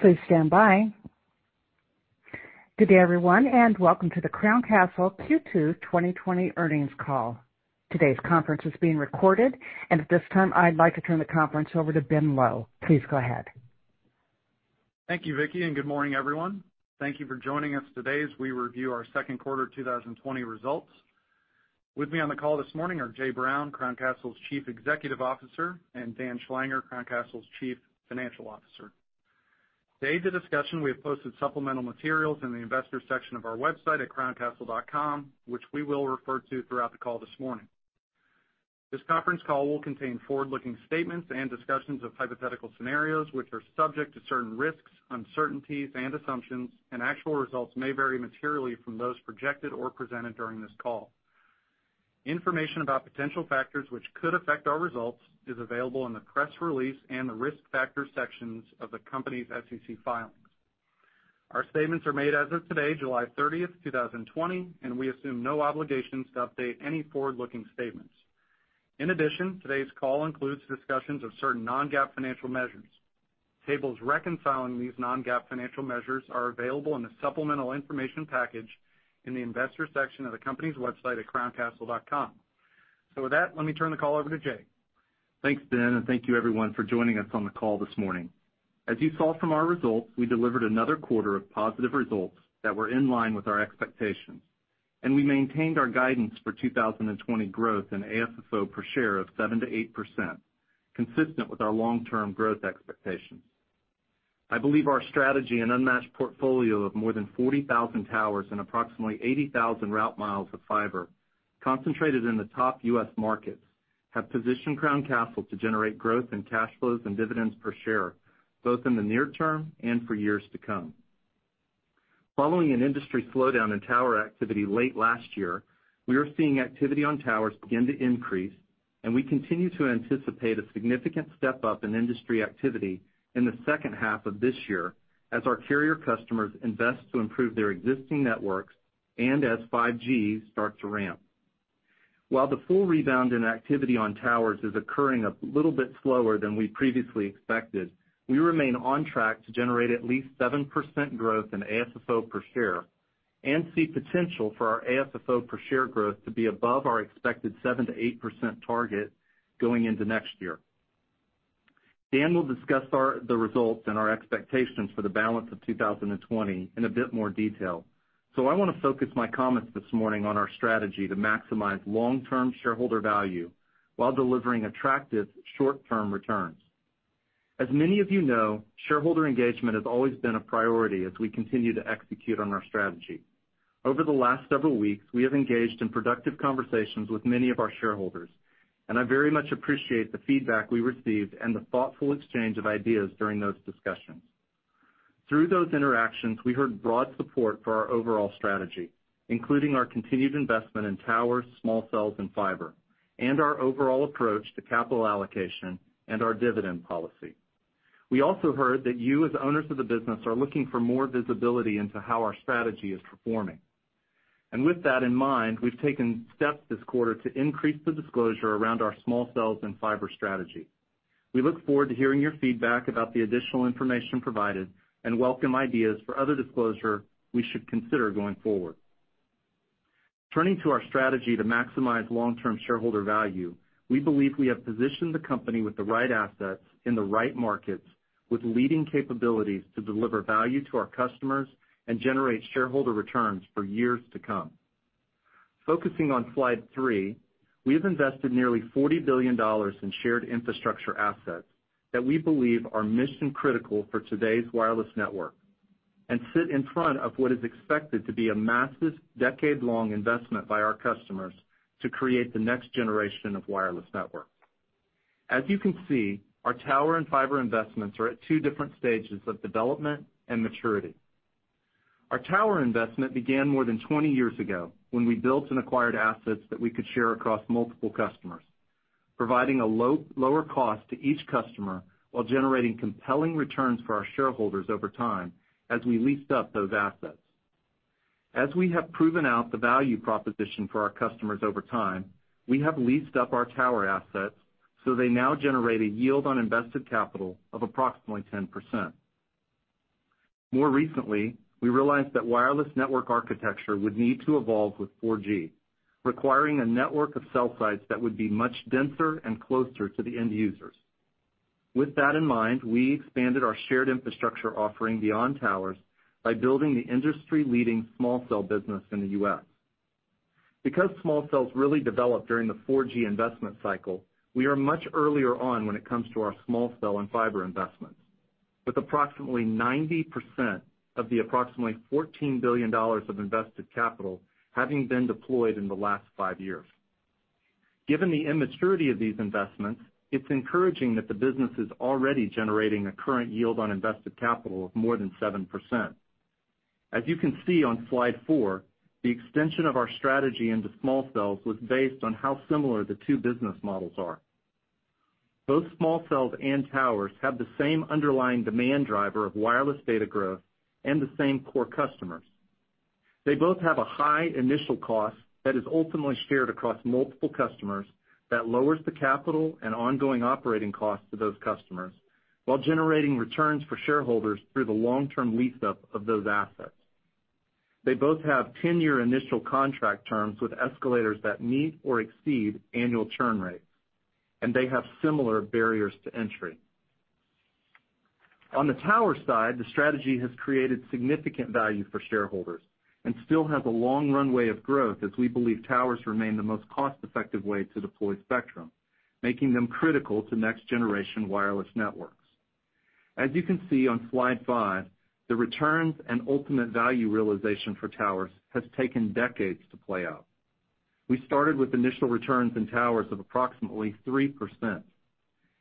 Please stand by. Good day, everyone, and welcome to the Crown Castle Q2 2020 earnings call. Today's conference is being recorded, and at this time, I'd like to turn the conference over to Ben Lowe. Please go ahead. Thank you, Vicky, and good morning, everyone. Thank you for joining us today as we review our second quarter 2020 results. With me on the call this morning are Jay Brown, Crown Castle's Chief Executive Officer, and Dan Schlanger, Crown Castle's Chief Financial Officer. Today, the discussion, we have posted supplemental materials in the investor section of our website at crowncastle.com, which we will refer to throughout the call this morning. This conference call will contain forward-looking statements and discussions of hypothetical scenarios, which are subject to certain risks, uncertainties, and assumptions, and actual results may vary materially from those projected or presented during this call. Information about potential factors which could affect our results is available in the press release and the risk factor sections of the company's SEC filings. Our statements are made as of today, July 30th, 2020. We assume no obligations to update any forward-looking statements. In addition, today's call includes discussions of certain non-GAAP financial measures. Tables reconciling these non-GAAP financial measures are available in the supplemental information package in the investor section of the company's website at crowncastle.com. With that, let me turn the call over to Jay. Thanks, Ben, and thank you everyone for joining us on the call this morning. As you saw from our results, we delivered another quarter of positive results that were in line with our expectations, and we maintained our guidance for 2020 growth in AFFO per share of 7%-8%, consistent with our long-term growth expectations. I believe our strategy and unmatched portfolio of more than 40,000 towers and approximately 80,000 route miles of fiber concentrated in the top U.S. markets, have positioned Crown Castle to generate growth in cash flows and dividends per share, both in the near term and for years to come. Following an industry slowdown in tower activity late last year, we are seeing activity on towers begin to increase, and we continue to anticipate a significant step up in industry activity in the second half of this year as our carrier customers invest to improve their existing networks and as 5G starts to ramp. While the full rebound in activity on towers is occurring a little bit slower than we previously expected, we remain on track to generate at least 7% growth in AFFO per share and see potential for our AFFO per share growth to be above our expected 7%-8% target going into next year. Dan will discuss the results and our expectations for the balance of 2020 in a bit more detail. I want to focus my comments this morning on our strategy to maximize long-term shareholder value while delivering attractive short-term returns. As many of you know, shareholder engagement has always been a priority as we continue to execute on our strategy. Over the last several weeks, we have engaged in productive conversations with many of our shareholders, and I very much appreciate the feedback we received and the thoughtful exchange of ideas during those discussions. Through those interactions, we heard broad support for our overall strategy, including our continued investment in towers, small cells, and fiber, and our overall approach to capital allocation and our dividend policy. We also heard that you, as owners of the business, are looking for more visibility into how our strategy is performing. With that in mind, we've taken steps this quarter to increase the disclosure around our small cells and fiber strategy. We look forward to hearing your feedback about the additional information provided and welcome ideas for other disclosure we should consider going forward. Turning to our strategy to maximize long-term shareholder value, we believe we have positioned the company with the right assets in the right markets with leading capabilities to deliver value to our customers and generate shareholder returns for years to come. Focusing on slide three, we have invested nearly $40 billion in shared infrastructure assets that we believe are mission-critical for today's wireless network and sit in front of what is expected to be a massive, decade-long investment by our customers to create the next generation of wireless networks. As you can see, our tower and fiber investments are at 2 different stages of development and maturity. Our tower investment began more than 20 years ago when we built and acquired assets that we could share across multiple customers, providing a lower cost to each customer while generating compelling returns for our shareholders over time as we leased up those assets. As we have proven out the value proposition for our customers over time, we have leased up our tower assets so they now generate a yield on invested capital of approximately 10%. More recently, we realized that wireless network architecture would need to evolve with 4G, requiring a network of cell sites that would be much denser and closer to the end users. With that in mind, we expanded our shared infrastructure offering beyond towers by building the industry-leading small cell business in the U.S. Small cells really developed during the 4G investment cycle, we are much earlier on when it comes to our small cell and fiber investments, with approximately 90% of the approximately $14 billion of invested capital having been deployed in the last five years. Given the immaturity of these investments, it's encouraging that the business is already generating a current yield on invested capital of more than 7%. As you can see on slide four, the extension of our strategy into small cells was based on how similar the two business models are. Both small cells and towers have the same underlying demand driver of wireless data growth and the same core customers. They both have a high initial cost that is ultimately shared across multiple customers that lowers the capital and ongoing operating costs to those customers while generating returns for shareholders through the long-term lease up of those assets. They both have 10-year initial contract terms with escalators that meet or exceed annual churn rates, and they have similar barriers to entry. On the tower side, the strategy has created significant value for shareholders and still has a long runway of growth as we believe towers remain the most cost-effective way to deploy spectrum, making them critical to next generation wireless networks. As you can see on slide five, the returns and ultimate value realization for towers has taken decades to play out. We started with initial returns in towers of approximately 3%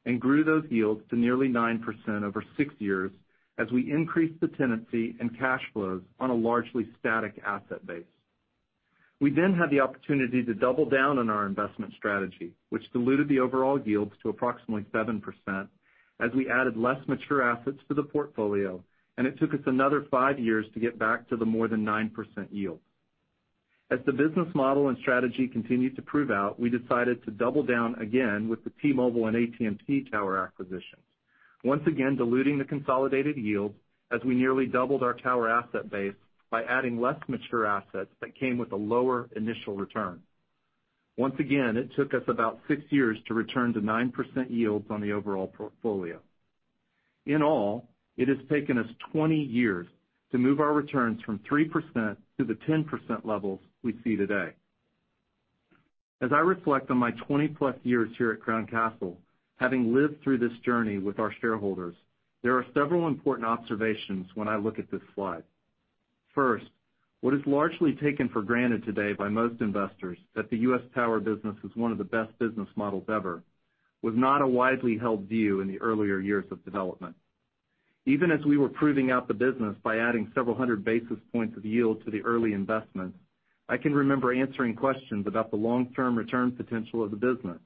and grew those yields to nearly 9% over six years as we increased the tenancy and cash flows on a largely static asset base. We had the opportunity to double down on our investment strategy, which diluted the overall yields to approximately 7% as we added less mature assets to the portfolio. It took us another five years to get back to the more than 9% yield. As the business model and strategy continued to prove out, we decided to double down again with the T-Mobile and AT&T tower acquisitions. Once again, diluting the consolidated yield as we nearly doubled our tower asset base by adding less mature assets that came with a lower initial return. Once again, it took us about six years to return to 9% yields on the overall portfolio. In all, it has taken us 20 years to move our returns from 3% to the 10% levels we see today. As I reflect on my 20-plus years here at Crown Castle, having lived through this journey with our shareholders, there are several important observations when I look at this slide. First, what is largely taken for granted today by most investors that the U.S. Tower business was one of the best business models ever, was not a widely held view in the earlier years of development. Even as we were proving out the business by adding several hundred basis points of yield to the early investments, I can remember answering questions about the long-term return potential of the business,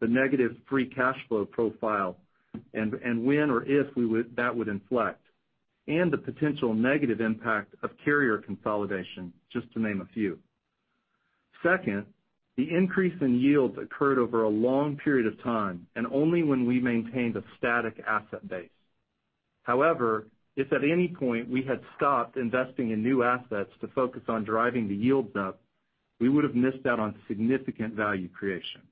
the negative free cash flow profile, and when or if that would inflect, and the potential negative impact of carrier consolidation, just to name a few. Second, the increase in yields occurred over a long period of time and only when we maintained a static asset base. However, if at any point we had stopped investing in new assets to focus on driving the yields up, we would have missed out on significant value creation.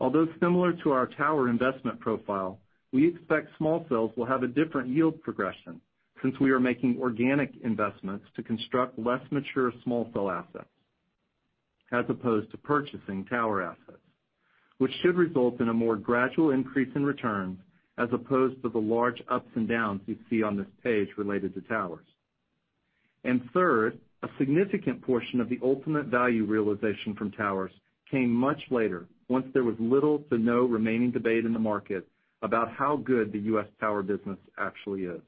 Although similar to our tower investment profile, we expect small cells will have a different yield progression since we are making organic investments to construct less mature small cell assets as opposed to purchasing tower assets, which should result in a more gradual increase in returns as opposed to the large ups and downs you see on this page related to towers. Third, a significant portion of the ultimate value realization from towers came much later once there was little to no remaining debate in the market about how good the U.S. Tower business actually is.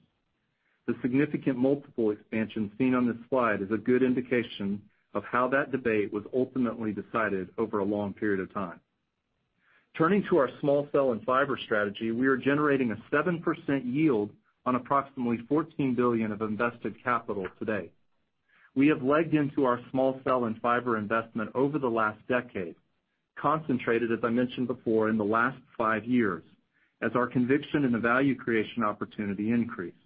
The significant multiple expansion seen on this slide is a good indication of how that debate was ultimately decided over a long period of time. Turning to our small cell and fiber strategy, we are generating a 7% yield on approximately $14 billion of invested capital today. We have legged into our small cell and fiber investment over the last decade, concentrated, as I mentioned before, in the last five years as our conviction in the value creation opportunity increased,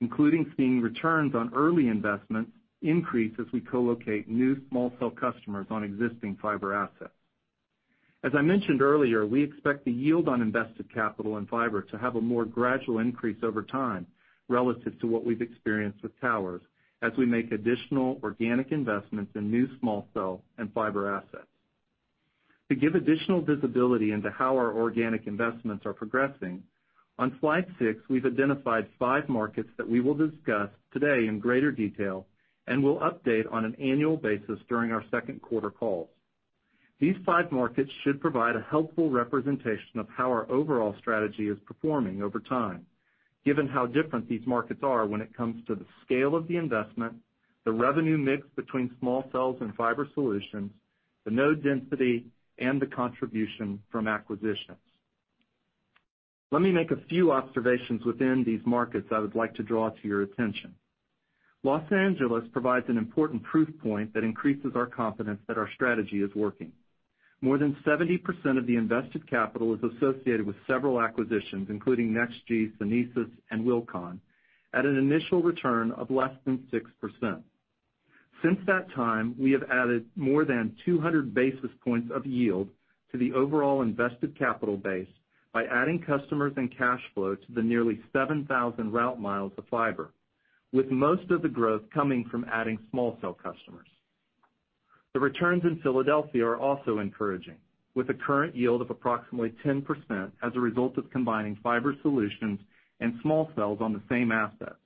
including seeing returns on early investments increase as we co-locate new small cell customers on existing fiber assets. As I mentioned earlier, we expect the yield on invested capital and fiber to have a more gradual increase over time relative to what we've experienced with towers as we make additional organic investments in new small cell and fiber assets. To give additional visibility into how our organic investments are progressing, on slide six, we've identified five markets that we will discuss today in greater detail and will update on an annual basis during our second quarter calls. These five markets should provide a helpful representation of how our overall strategy is performing over time, given how different these markets are when it comes to the scale of the investment, the revenue mix between small cells and fiber solutions, the node density, and the contribution from acquisitions. Let me make a few observations within these markets I would like to draw to your attention. Los Angeles provides an important proof point that increases our confidence that our strategy is working. More than 70% of the invested capital is associated with several acquisitions, including NextG, Sunesys, and Wilcon, at an initial return of less than 6%. Since that time, we have added more than 200 basis points of yield to the overall invested capital base by adding customers and cash flow to the nearly 7,000 route miles of fiber, with most of the growth coming from adding small cell customers. The returns in Philadelphia are also encouraging, with a current yield of approximately 10% as a result of combining fiber solutions and small cells on the same assets,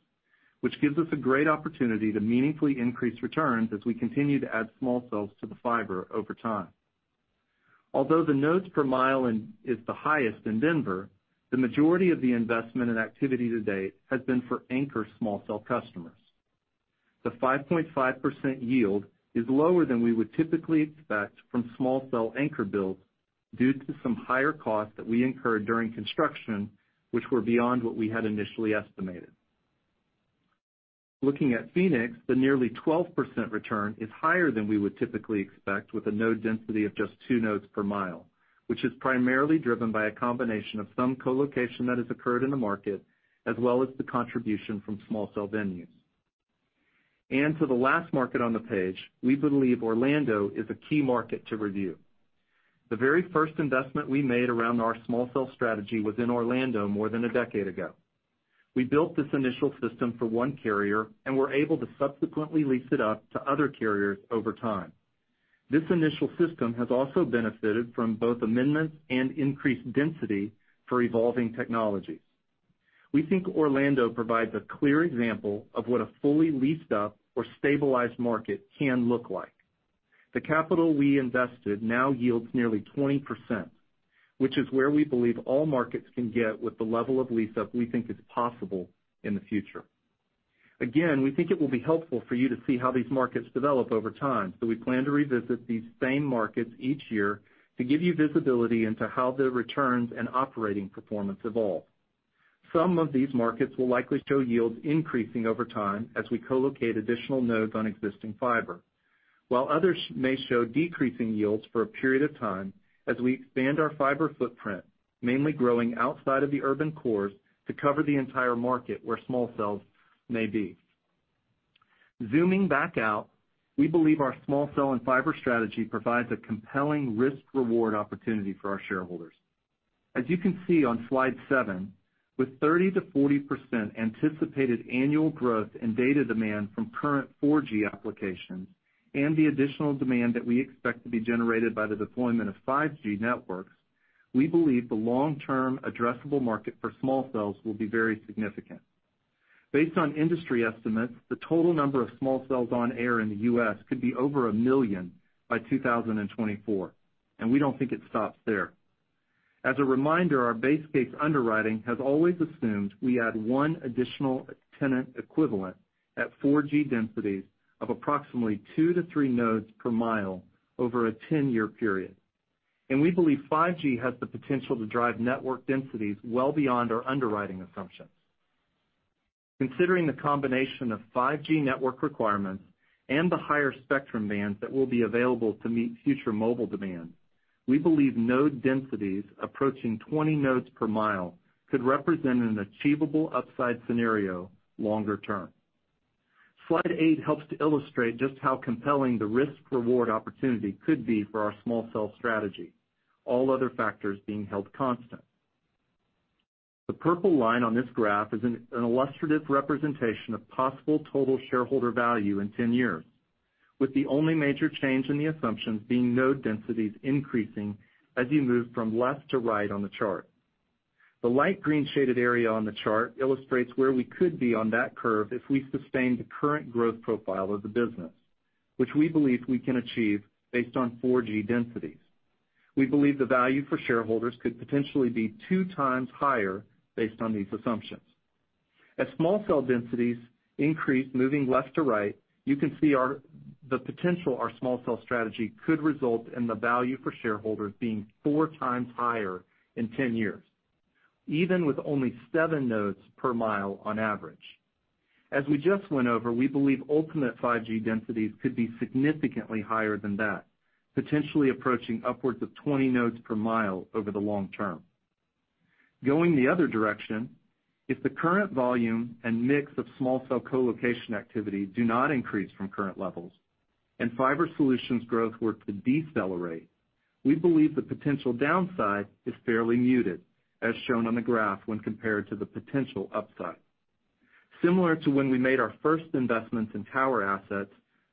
which gives us a great opportunity to meaningfully increase returns as we continue to add small cells to the fiber over time. Although the nodes per mile is the highest in Denver, the majority of the investment and activity to date has been for anchor small cell customers. The 5.5% yield is lower than we would typically expect from small cell anchor builds. Due to some higher costs that we incurred during construction, which were beyond what we had initially estimated. Looking at Phoenix, the nearly 12% return is higher than we would typically expect with a node density of just two nodes per mile, which is primarily driven by a combination of some co-location that has occurred in the market, as well as the contribution from small cell venues. For the last market on the page, we believe Orlando is a key market to review. The very first investment we made around our small cell strategy was in Orlando more than a decade ago. We built this initial system for one carrier and were able to subsequently lease it up to other carriers over time. This initial system has also benefited from both amendments and increased density for evolving technologies. We think Orlando provides a clear example of what a fully leased-up or stabilized market can look like. The capital we invested now yields nearly 20%, which is where we believe all markets can get with the level of lease-up we think is possible in the future. We think it will be helpful for you to see how these markets develop over time, so we plan to revisit these same markets each year to give you visibility into how the returns and operating performance evolve. Some of these markets will likely show yields increasing over time as we co-locate additional nodes on existing fiber. While others may show decreasing yields for a period of time as we expand our fiber footprint, mainly growing outside of the urban cores to cover the entire market where small cells may be. Zooming back out, we believe our small cell and fiber strategy provides a compelling risk-reward opportunity for our shareholders. As you can see on slide seven, with 30%-40% anticipated annual growth in data demand from current 4G applications and the additional demand that we expect to be generated by the deployment of 5G networks, we believe the long-term addressable market for small cells will be very significant. Based on industry estimates, the total number of small cells on air in the U.S. could be over one million by 2024, and we don't think it stops there. As a reminder, our base case underwriting has always assumed we add one additional tenant equivalent at 4G densities of approximately two to three nodes per mile over a 10-year period. We believe 5G has the potential to drive network densities well beyond our underwriting assumptions. Considering the combination of 5G network requirements and the higher spectrum bands that will be available to meet future mobile demand, we believe node densities approaching 20 nodes per mile could represent an achievable upside scenario longer term. slide eight helps to illustrate just how compelling the risk-reward opportunity could be for our small cell strategy, all other factors being held constant. The purple line on this graph is an illustrative representation of possible total shareholder value in 10 years. With the only major change in the assumptions being node densities increasing as you move from left to right on the chart. The light green shaded area on the chart illustrates where we could be on that curve if we sustain the current growth profile of the business, which we believe we can achieve based on 4G densities. We believe the value for shareholders could potentially be two times higher based on these assumptions. As small cell densities increase, moving left to right, you can see the potential our small cell strategy could result in the value for shareholders being four times higher in 10 years, even with only seven nodes per mile on average. As we just went over, we believe ultimate 5G densities could be significantly higher than that, potentially approaching upwards of 20 nodes per mile over the long term. Going the other direction, if the current volume and mix of small cell co-location activity do not increase from current levels and fiber solutions growth were to decelerate, we believe the potential downside is fairly muted, as shown on the graph when compared to the potential upside. Similar to when we made our first investments in tower assets,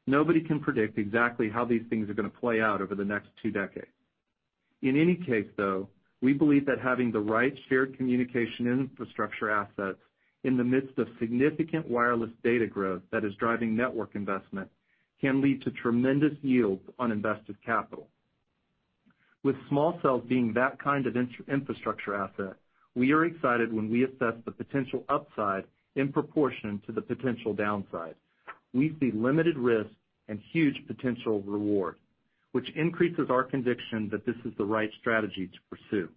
nobody can predict exactly how these things are going to play out over the next two decades. In any case, though, we believe that having the right shared communication infrastructure assets in the midst of significant wireless data growth that is driving network investment can lead to tremendous yields on invested capital. With small cells being that kind of infrastructure asset, we are excited when we assess the potential upside in proportion to the potential downside. We see limited risk and huge potential reward, which increases our conviction that this is the right strategy to pursue.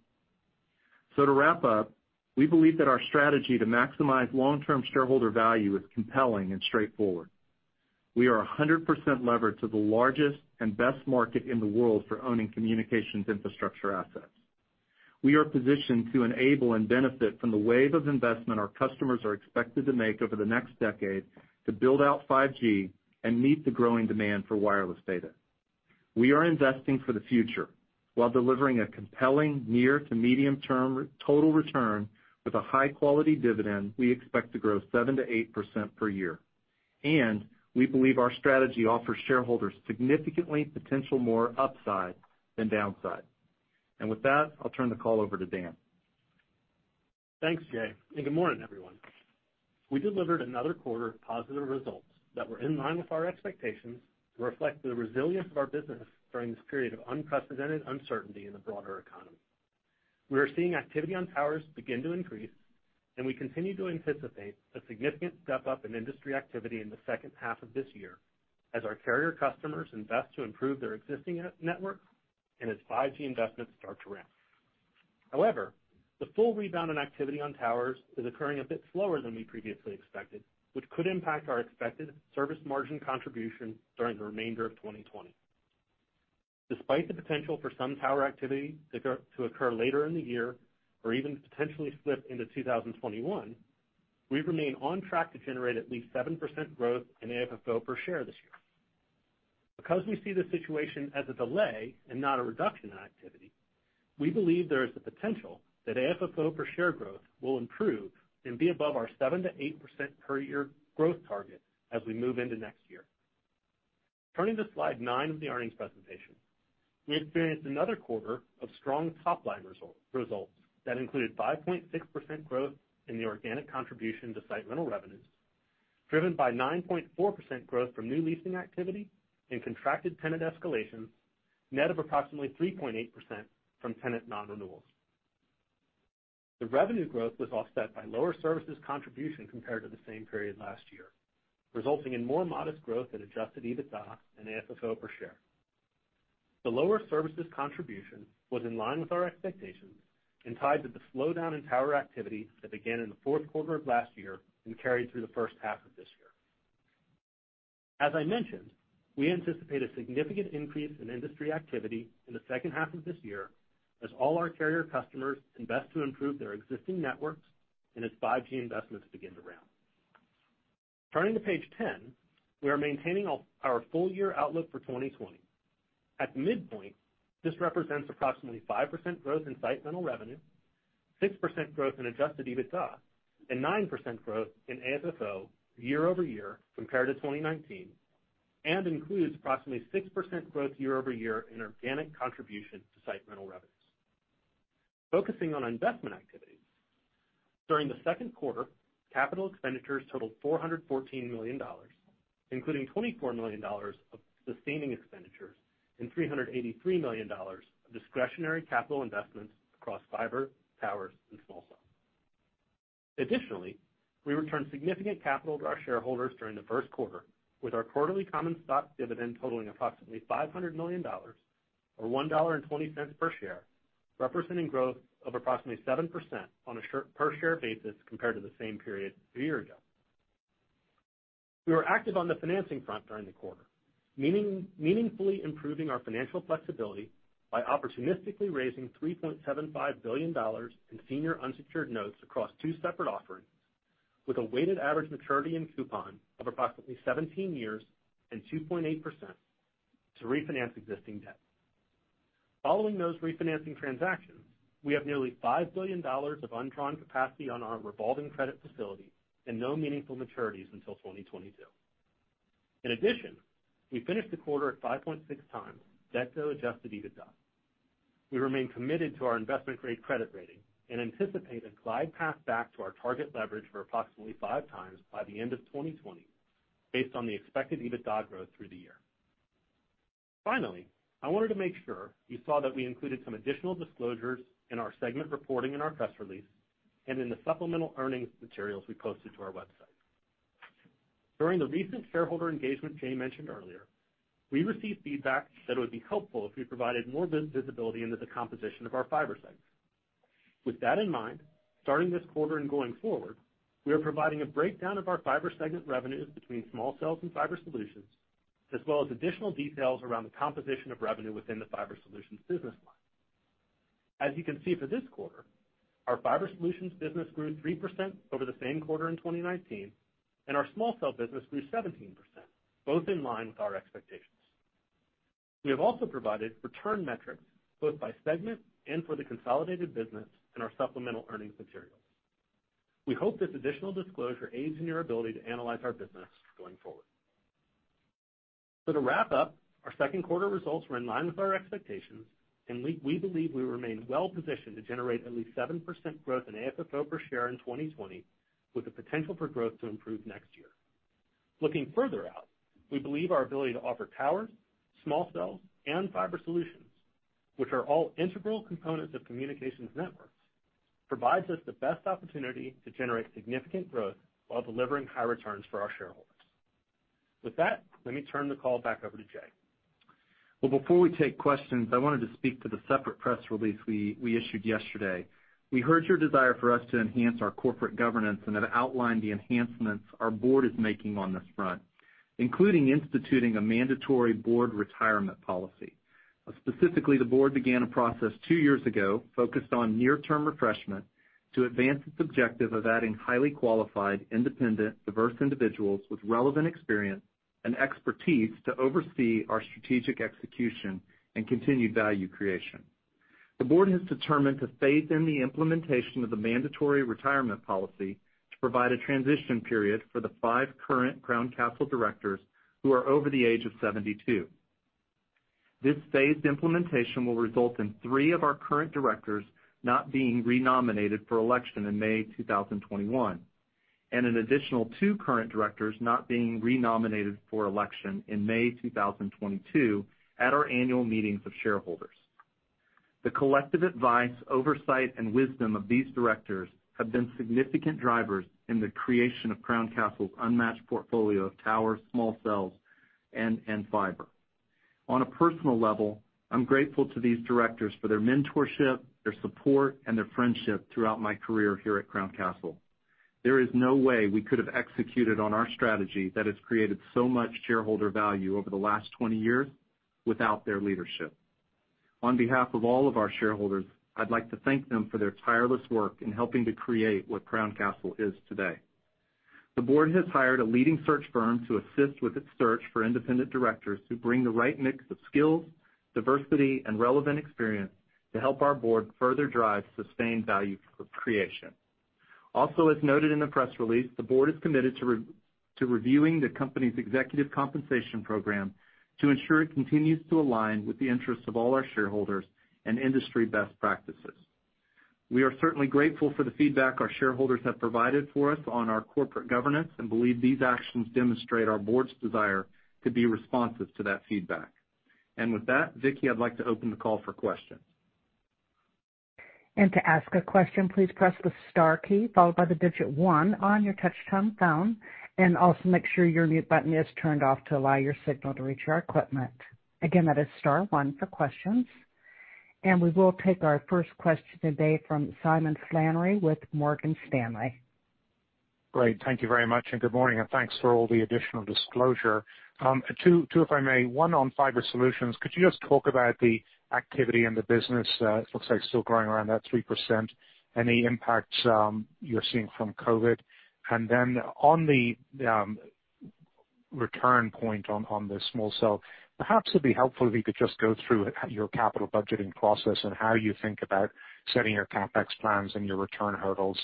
To wrap up, we believe that our strategy to maximize long-term shareholder value is compelling and straightforward. We are 100% levered to the largest and best market in the world for owning communications infrastructure assets. We are positioned to enable and benefit from the wave of investment our customers are expected to make over the next decade to build out 5G and meet the growing demand for wireless data. We are investing for the future while delivering a compelling near to medium term total return with a high-quality dividend we expect to grow 7%-8% per year. We believe our strategy offers shareholders significantly potential more upside than downside. With that, I'll turn the call over to Dan. Thanks, Jay. Good morning, everyone. We delivered another quarter of positive results that were in line with our expectations to reflect the resilience of our business during this period of unprecedented uncertainty in the broader economy. We are seeing activity on towers begin to increase, we continue to anticipate a significant step up in industry activity in the second half of this year as our carrier customers invest to improve their existing network and as 5G investments start to ramp. The full rebound in activity on towers is occurring a bit slower than we previously expected, which could impact our expected service margin contribution during the remainder of 2020. Despite the potential for some tower activity to occur later in the year or even potentially slip into 2021, we remain on track to generate at least 7% growth in AFFO per share this year. Because we see the situation as a delay and not a reduction in activity, we believe there is the potential that AFFO per share growth will improve and be above our 7%-8% per year growth target as we move into next year. Turning to slide nine of the earnings presentation. We experienced another quarter of strong top-line results that included 5.6% growth in the organic contribution to site rental revenues, driven by 9.4% growth from new leasing activity and contracted tenant escalations, net of approximately 3.8% from tenant non-renewals. The revenue growth was offset by lower services contribution compared to the same period last year, resulting in more modest growth in adjusted EBITDA and AFFO per share. The lower services contribution was in line with our expectations and tied to the slowdown in tower activity that began in the fourth quarter of last year and carried through the first half of this year. As I mentioned, we anticipate a significant increase in industry activity in the second half of this year as all our carrier customers invest to improve their existing networks and as 5G investments begin to ramp. Turning to page 10, we are maintaining our full-year outlook for 2020. At the midpoint, this represents approximately 5% growth in site rental revenue, 6% growth in adjusted EBITDA, and 9% growth in AFFO year-over-year compared to 2019, and includes approximately 6% growth year-over-year in organic contribution to site rental revenues. Focusing on investment activities. During the second quarter, capital expenditures totaled $414 million, including $24 million of sustaining expenditures and $383 million of discretionary capital investments across fiber, towers, and small cells. Additionally, we returned significant capital to our shareholders during the first quarter with our quarterly common stock dividend totaling approximately $500 million or $1.20 per share, representing growth of approximately 7% on a per share basis compared to the same period a year ago. We were active on the financing front during the quarter, meaningfully improving our financial flexibility by opportunistically raising $3.75 billion in senior unsecured notes across two separate offerings with a weighted average maturity and coupon of approximately 17 years and 2.8% to refinance existing debt. Following those refinancing transactions, we have nearly $5 billion of undrawn capacity on our revolving credit facility and no meaningful maturities until 2022. In addition, we finished the quarter at 5.6 x debt to adjusted EBITDA. We remain committed to our investment-grade credit rating and anticipate a glide path back to our target leverage for approximately 5x by the end of 2020 based on the expected EBITDA growth through the year. I wanted to make sure you saw that we included some additional disclosures in our segment reporting in our press release and in the supplemental earnings materials we posted to our website. During the recent shareholder engagement Jay mentioned earlier, we received feedback that it would be helpful if we provided more visibility into the composition of our fiber segments. With that in mind, starting this quarter and going forward, we are providing a breakdown of our fiber segment revenues between small cells and fiber solutions, as well as additional details around the composition of revenue within the fiber solutions business line. As you can see for this quarter, our fiber solutions business grew 3% over the same quarter in 2019, and our small cell business grew 17%, both in line with our expectations. We have also provided return metrics both by segment and for the consolidated business in our supplemental earnings materials. We hope this additional disclosure aids in your ability to analyze our business going forward. To wrap up, our second quarter results were in line with our expectations, and we believe we remain well positioned to generate at least 7% growth in AFFO per share in 2020, with the potential for growth to improve next year. Looking further out, we believe our ability to offer towers, small cells, and fiber solutions, which are all integral components of communications networks, provides us the best opportunity to generate significant growth while delivering high returns for our shareholders. With that, let me turn the call back over to Jay. Well, before we take questions, I wanted to speak to the separate press release we issued yesterday. We heard your desire for us to enhance our corporate governance and have outlined the enhancements our board is making on this front, including instituting a mandatory board retirement policy. Specifically, the board began a process two years ago focused on near-term refreshment to advance its objective of adding highly qualified, independent, diverse individuals with relevant experience and expertise to oversee our strategic execution and continued value creation. The board has determined to phase in the implementation of the mandatory retirement policy to provide a transition period for the five current Crown Castle directors who are over the age of 72. This phased implementation will result in three of our current directors not being re-nominated for election in May 2021. An additional two current directors not being re-nominated for election in May 2022 at our annual meetings of shareholders. The collective advice, oversight, and wisdom of these directors have been significant drivers in the creation of Crown Castle's unmatched portfolio of towers, small cells, and fiber. On a personal level, I'm grateful to these directors for their mentorship, their support, and their friendship throughout my career here at Crown Castle. There is no way we could have executed on our strategy that has created so much shareholder value over the last 20 years without their leadership. On behalf of all of our shareholders, I'd like to thank them for their tireless work in helping to create what Crown Castle is today. The board has hired a leading search firm to assist with its search for independent directors who bring the right mix of skills, diversity, and relevant experience to help our board further drive sustained value creation. As noted in the press release, the board is committed to reviewing the company's executive compensation program to ensure it continues to align with the interests of all our shareholders and industry best practices. We are certainly grateful for the feedback our shareholders have provided for us on our corporate governance and believe these actions demonstrate our board's desire to be responsive to that feedback. With that, Vicky, I'd like to open the call for questions. To ask a question, please press the Star key followed by the digit one on your touch-tone phone, and also make sure your mute button is turned off to allow your signal to reach our equipment. Again, that is star one for questions. We will take our first question today from Simon Flannery with Morgan Stanley. Great. Thank you very much. Good morning. Thanks for all the additional disclosure. Two if I may. One on fiber solutions. Could you just talk about the activity in the business? It looks like it's still growing around that 3%. Any impacts you're seeing from COVID? Then on the return point on the small cell, perhaps it'd be helpful if you could just go through your capital budgeting process and how you think about setting your CapEx plans and your return hurdles,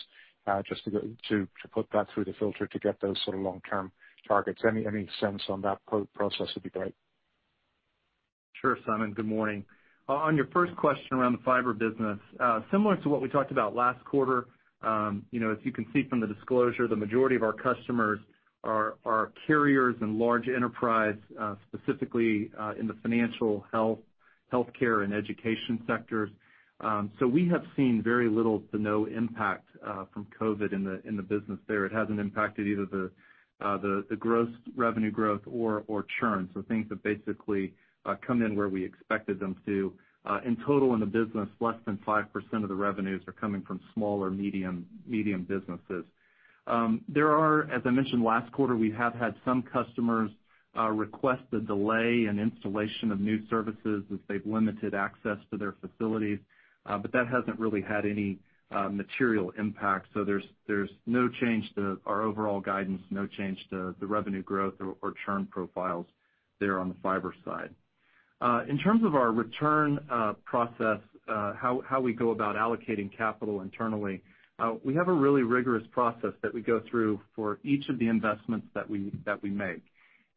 just to put that through the filter to get those sort of long-term targets. Any sense on that process would be great. Sure, Simon. Good morning. On your first question around the fiber business, similar to what we talked about last quarter, as you can see from the disclosure, the majority of our customers are carriers and large enterprise, specifically in the financial, health care, and education sectors. We have seen very little to no impact from COVID in the business there. It hasn't impacted either the revenue growth or churn. Things have basically come in where we expected them to. In total in the business, less than 5% of the revenues are coming from small or medium businesses. There are, as I mentioned last quarter, we have had some customers request a delay in installation of new services as they've limited access to their facilities. That hasn't really had any material impact. There's no change to our overall guidance, no change to the revenue growth or churn profiles there on the fiber side. In terms of our return process, how we go about allocating capital internally, we have a really rigorous process that we go through for each of the investments that we make.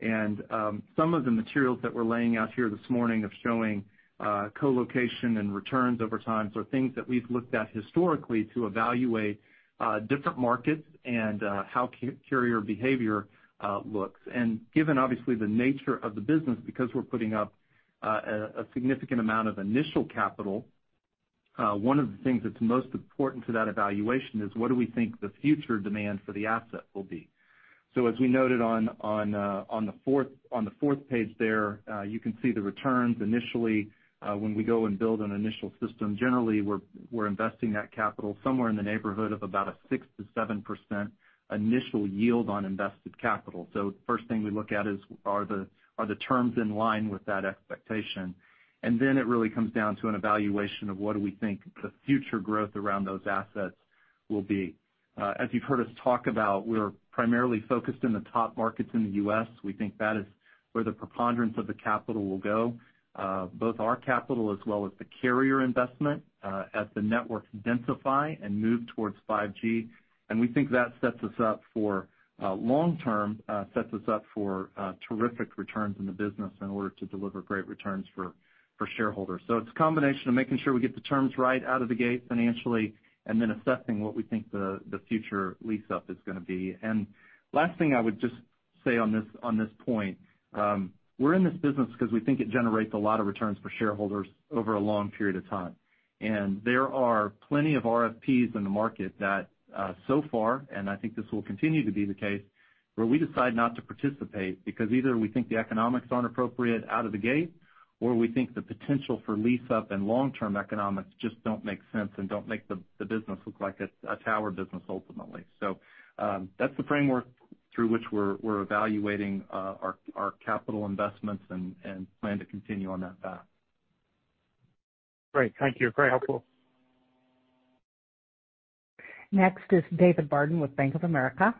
Some of the materials that we're laying out here this morning of showing co-location and returns over time are things that we've looked at historically to evaluate different markets and how carrier behavior looks. Given, obviously, the nature of the business, because we're putting up a significant amount of initial capital, one of the things that's most important to that evaluation is what do we think the future demand for the asset will be. As we noted on the fourth page there, you can see the returns initially. We go and build an initial system, generally we're investing that capital somewhere in the neighborhood of about a 6%-7% initial yield on invested capital. The first thing we look at is, are the terms in line with that expectation? It really comes down to an evaluation of what do we think the future growth around those assets will be. As you've heard us talk about, we're primarily focused in the top markets in the U.S. We think that is where the preponderance of the capital will go, both our capital as well as the carrier investment, as the networks densify and move towards 5G. We think that sets us up for long-term, sets us up for terrific returns in the business in order to deliver great returns for shareholders. It's a combination of making sure we get the terms right out of the gate financially and then assessing what we think the future lease-up is going to be. Last thing I would just say on this point, we're in this business because we think it generates a lot of returns for shareholders over a long period of time. There are plenty of RFPs in the market that so far, and I think this will continue to be the case, where we decide not to participate because either we think the economics aren't appropriate out of the gate, or we think the potential for lease-up and long-term economics just don't make sense and don't make the business look like a tower business ultimately. That's the framework through which we're evaluating our capital investments and plan to continue on that path. Great. Thank you. Very helpful. Next is David Barden with Bank of America.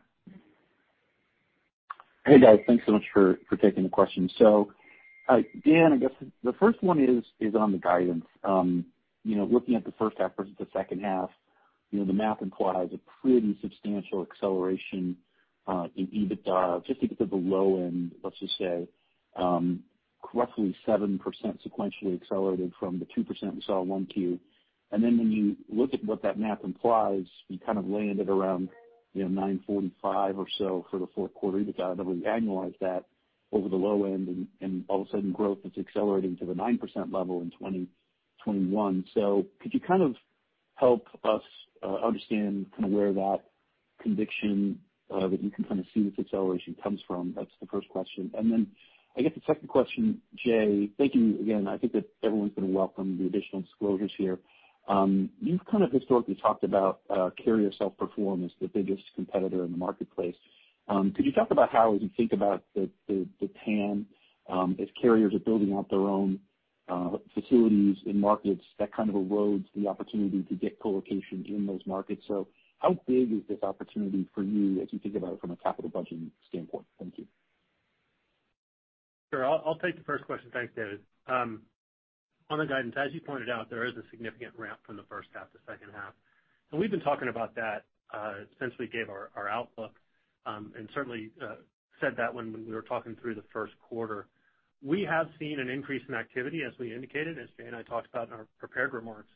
Hey, guys. Thanks so much for taking the question. Dan, I guess the first one is on the guidance. Looking at the first half versus the second half, the math implies a pretty substantial acceleration in EBITDA, just to get to the low end, let's just say, roughly 7% sequentially accelerated from the 2% we saw in 1Q. When you look at what that math implies, you kind of land at around $945 or so for the fourth quarter EBITDA. We annualize that over the low end and all of a sudden growth is accelerating to the 9% level in 2021. Could you kind of help us understand where that conviction that you can see this acceleration comes from? That's the first question. I guess the second question, Jay, thank you again. I think that everyone's going to welcome the additional disclosures here. You've kind of historically talked about carrier self-perform as the biggest competitor in the marketplace. Could you talk about how, as you think about the TAM, as carriers are building out their own facilities in markets, that kind of erodes the opportunity to get co-locations in those markets. How big is this opportunity for you as you think about it from a capital budgeting standpoint? Thank you. Sure. I'll take the first question. Thanks, David. On the guidance, as you pointed out, there is a significant ramp from the first half to second half. We've been talking about that since we gave our outlook, and certainly said that when we were talking through the first quarter. We have seen an increase in activity, as we indicated, as Jay and I talked about in our prepared remarks.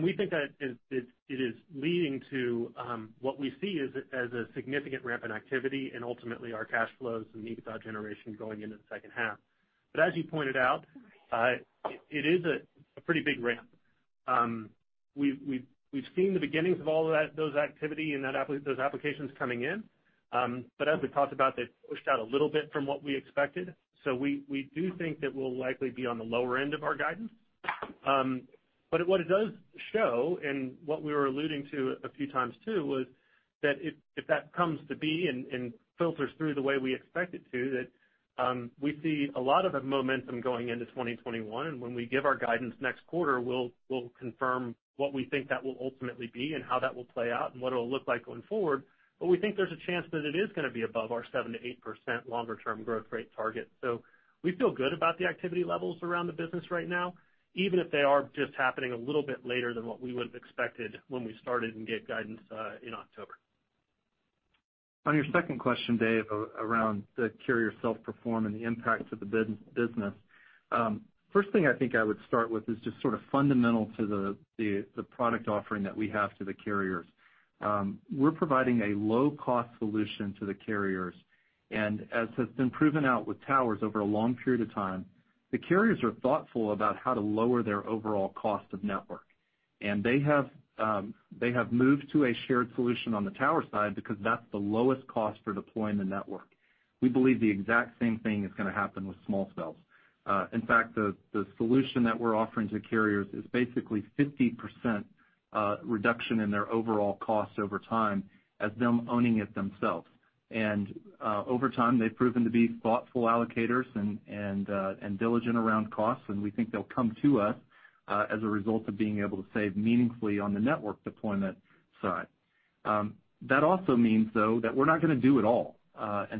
We think that it is leading to what we see as a significant ramp in activity and ultimately our cash flows and EBITDA generation going into the second half. As you pointed out, it is a pretty big ramp. We've seen the beginnings of all those activity and those applications coming in. As we talked about, they've pushed out a little bit from what we expected. We do think that we'll likely be on the lower end of our guidance. What it does show, and what we were alluding to a few times too, was that if that comes to be and filters through the way we expect it to, that we see a lot of momentum going into 2021. When we give our guidance next quarter, we'll confirm what we think that will ultimately be and how that will play out and what it'll look like going forward. We think there's a chance that it is going to be above our 7%-8% longer term growth rate target. We feel good about the activity levels around the business right now, even if they are just happening a little bit later than what we would have expected when we started and gave guidance in October. On your second question, Dave, around the carrier self-perform and the impact to the business. First thing I think I would start with is just sort of fundamental to the product offering that we have to the carriers. We're providing a low-cost solution to the carriers, and as has been proven out with towers over a long period of time, the carriers are thoughtful about how to lower their overall cost of network. They have moved to a shared solution on the tower side because that's the lowest cost for deploying the network. We believe the exact same thing is going to happen with small cells. In fact, the solution that we're offering to carriers is basically 50% reduction in their overall costs over time as them owning it themselves. Over time, they've proven to be thoughtful allocators and diligent around costs, and we think they'll come to us as a result of being able to save meaningfully on the network deployment side. That also means, though, that we're not going to do it all.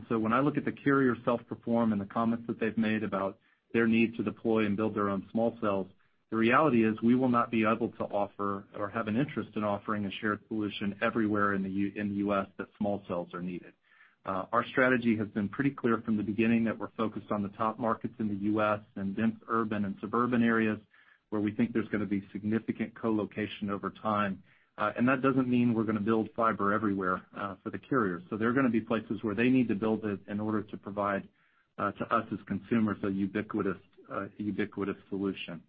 When I look at the carrier self-perform and the comments that they've made about their need to deploy and build their own small cells, the reality is we will not be able to offer or have an interest in offering a shared solution everywhere in the U.S. that small cells are needed. Our strategy has been pretty clear from the beginning that we're focused on the top markets in the U.S. and dense urban and suburban areas where we think there's going to be significant co-location over time. That doesn't mean we're going to build fiber everywhere for the carriers. There are going to be places where they need to build it in order to provide to us as consumers a ubiquitous solution.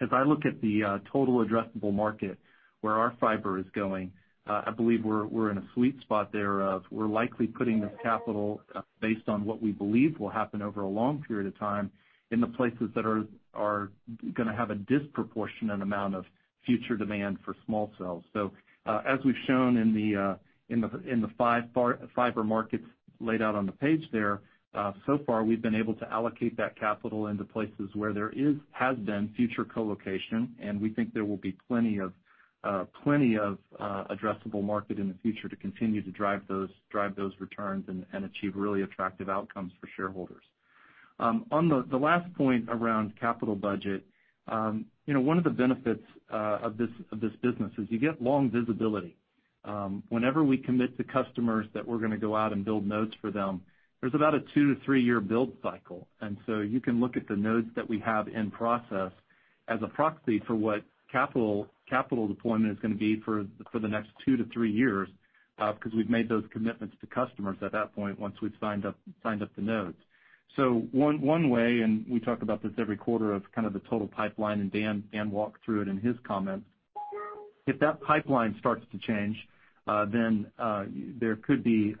As I look at the total addressable market where our fiber is going, I believe we're in a sweet spot there of we're likely putting this capital based on what we believe will happen over a long period of time in the places that are going to have a disproportionate amount of future demand for small cells. As we've shown in the five fiber markets laid out on the page there, so far we've been able to allocate that capital into places where there has been future co-location, and we think there will be plenty of addressable market in the future to continue to drive those returns and achieve really attractive outcomes for shareholders. On the last point around capital budget, one of the benefits of this business is you get long visibility. Whenever we commit to customers that we're going to go out and build nodes for them, there's about a two to three-year build cycle. You can look at the nodes that we have in process as a proxy for what capital deployment is going to be for the next two to three years, because we've made those commitments to customers at that point once we've signed up the nodes. One way, and we talk about this every quarter of kind of the total pipeline, and Dan walked through it in his comments. If that pipeline starts to change, there could be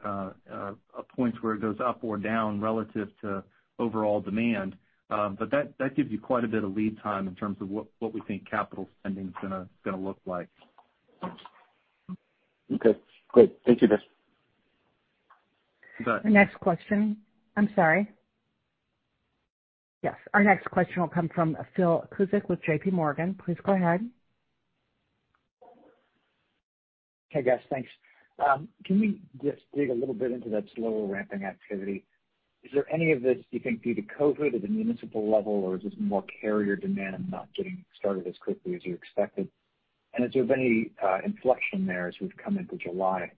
points where it goes up or down relative to overall demand. That gives you quite a bit of lead time in terms of what we think capital spending's going to look like. Okay, great. Thank you, guys. You bet. I'm sorry. Yes, our next question will come from Philip Cusick with JPMorgan. Please go ahead. Hey, guys, thanks. Can we just dig a little bit into that slower ramping activity? Is there any of this you think due to COVID at the municipal level, or is this more carrier demand not getting started as quickly as you expected? Is there any inflection there as we've come into July?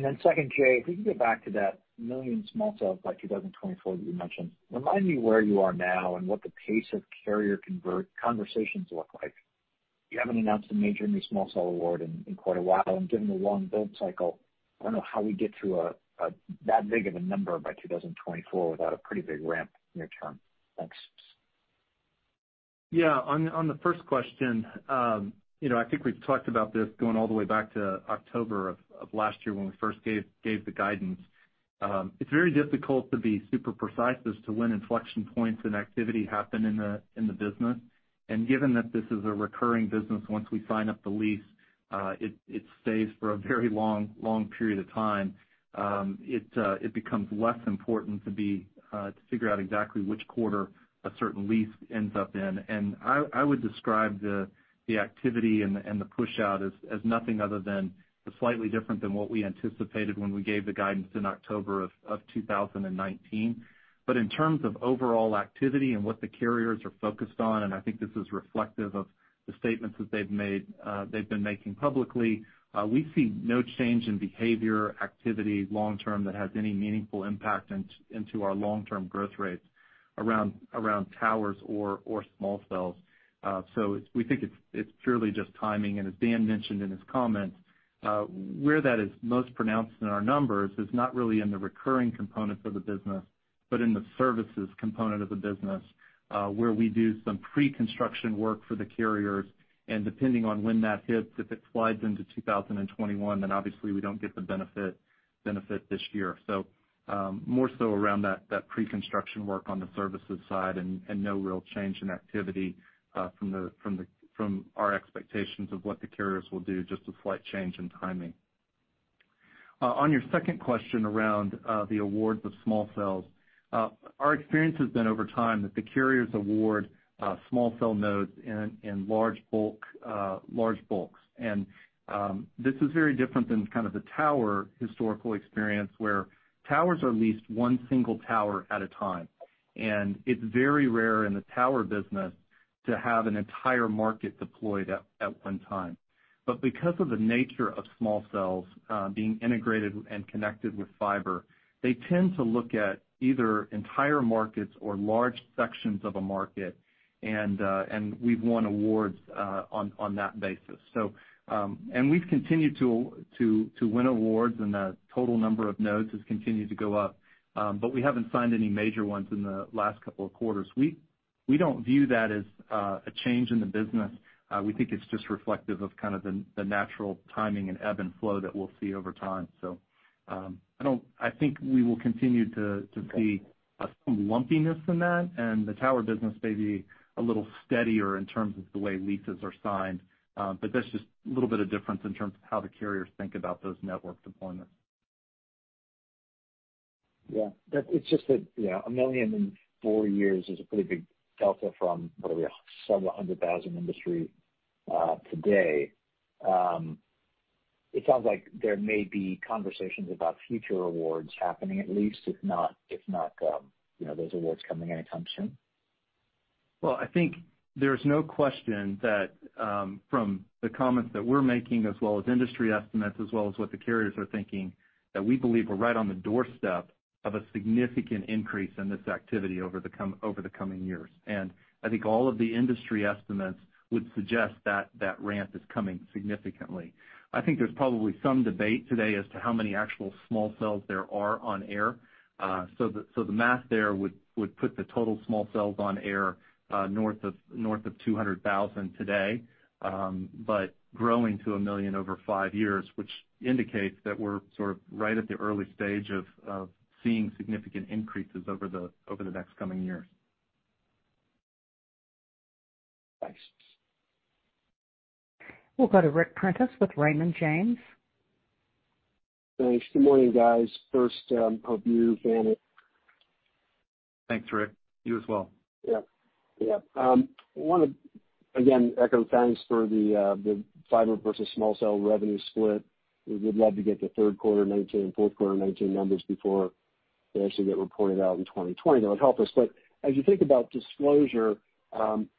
Then second, Jay, if we can go back to that 1 million small cells by 2024 that you mentioned, remind me where you are now and what the pace of carrier conversations look like. You haven't announced a major new small cell award in quite a while, and given the long build cycle, I don't know how we get to that big of a number by 2024 without a pretty big ramp near-term. Thanks. Yeah. On the first question, I think we've talked about this going all the way back to October of last year when we first gave the guidance. It's very difficult to be super precise as to when inflection points and activity happen in the business. Given that this is a recurring business, once we sign up the lease, it stays for a very long period of time. It becomes less important to figure out exactly which quarter a certain lease ends up in. I would describe the activity and the push-out as nothing other than slightly different than what we anticipated when we gave the guidance in October of 2019. In terms of overall activity and what the carriers are focused on, and I think this is reflective of the statements that they've been making publicly, we see no change in behavior, activity long-term that has any meaningful impact into our long-term growth rates around towers or small cells. We think it's purely just timing. As Dan mentioned in his comments, where that is most pronounced in our numbers is not really in the recurring component of the business, but in the services component of the business, where we do some pre-construction work for the carriers. Depending on when that hits, if it slides into 2021, obviously we don't get the benefit this year. More so around that pre-construction work on the services side and no real change in activity from our expectations of what the carriers will do, just a slight change in timing. On your second question around the awards of small cells, our experience has been over time that the carriers award small cell nodes in large bulks. This is very different than kind of the tower historical experience, where towers are leased one single tower at a time. It's very rare in the tower business to have an entire market deployed at one time. Because of the nature of small cells being integrated and connected with fiber, they tend to look at either entire markets or large sections of a market, and we've won awards on that basis. We've continued to win awards, and the total number of nodes has continued to go up, but we haven't signed any major ones in the last couple of quarters. We don't view that as a change in the business. We think it's just reflective of kind of the natural timing and ebb and flow that we'll see over time. I think we will continue to see some lumpiness in that, and the tower business may be a little steadier in terms of the way leases are signed. That's just a little bit of difference in terms of how the carriers think about those network deployments. Yeah. It's just that $1 million in five years is a pretty big delta from, what are we, $700,000 industry today. It sounds like there may be conversations about future awards happening, at least, if not those awards coming anytime soon. Well, I think there's no question that from the comments that we're making as well as industry estimates, as well as what the carriers are thinking, that we believe we're right on the doorstep of a significant increase in this activity over the coming years. I think all of the industry estimates would suggest that ramp is coming significantly. I think there's probably some debate today as to how many actual small cells there are on air. The math there would put the total small cells on air north of 200,000 today, but growing to one million over five years, which indicates that we're sort of right at the early stage of seeing significant increases over the next coming years. Thanks. We'll go to Ric Prentiss with Raymond James. Thanks. Good morning, guys. First, hope you, family. Thanks, Ric. You as well. Yeah. I want to, again, echo thanks for the fiber versus small cell revenue split. We would love to get the third quarter 2019, fourth quarter 2019 numbers before they actually get reported out in 2020. That would help us. As you think about disclosure, some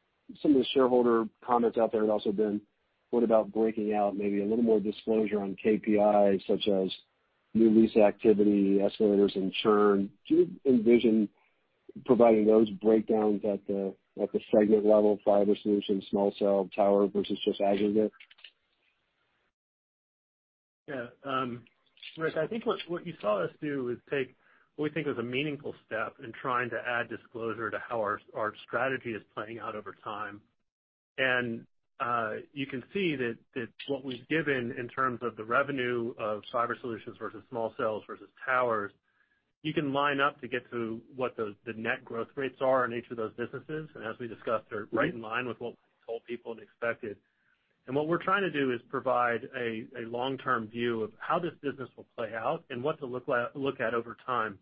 of the shareholder comments out there had also been, what about breaking out maybe a little more disclosure on KPIs such as new lease activity, escalators, and churn? Do you envision providing those breakdowns at the segment level, Fiber Solutions, Small Cells, Towers versus just aggregate? Yeah. Ric, I think what you saw us do is take what we think is a meaningful step in trying to add disclosure to how our strategy is playing out over time. You can see that what we've given in terms of the revenue of fiber solutions versus small cells versus towers, you can line up to get to what the net growth rates are in each of those businesses. As we discussed, they're right in line with what we told people and expected. What we're trying to do is provide a long-term view of how this business will play out and what to look at over time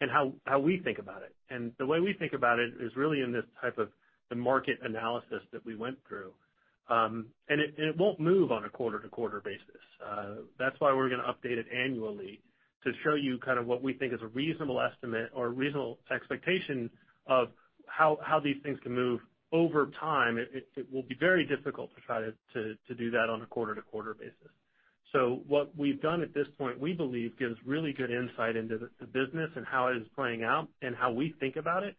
and how we think about it. The way we think about it is really in this type of the market analysis that we went through. It won't move on a quarter-to-quarter basis. That's why we're going to update it annually to show you kind of what we think is a reasonable estimate or a reasonable expectation of how these things can move over time. It will be very difficult to try to do that on a quarter-to-quarter basis. What we've done at this point, we believe, gives really good insight into the business and how it is playing out and how we think about it.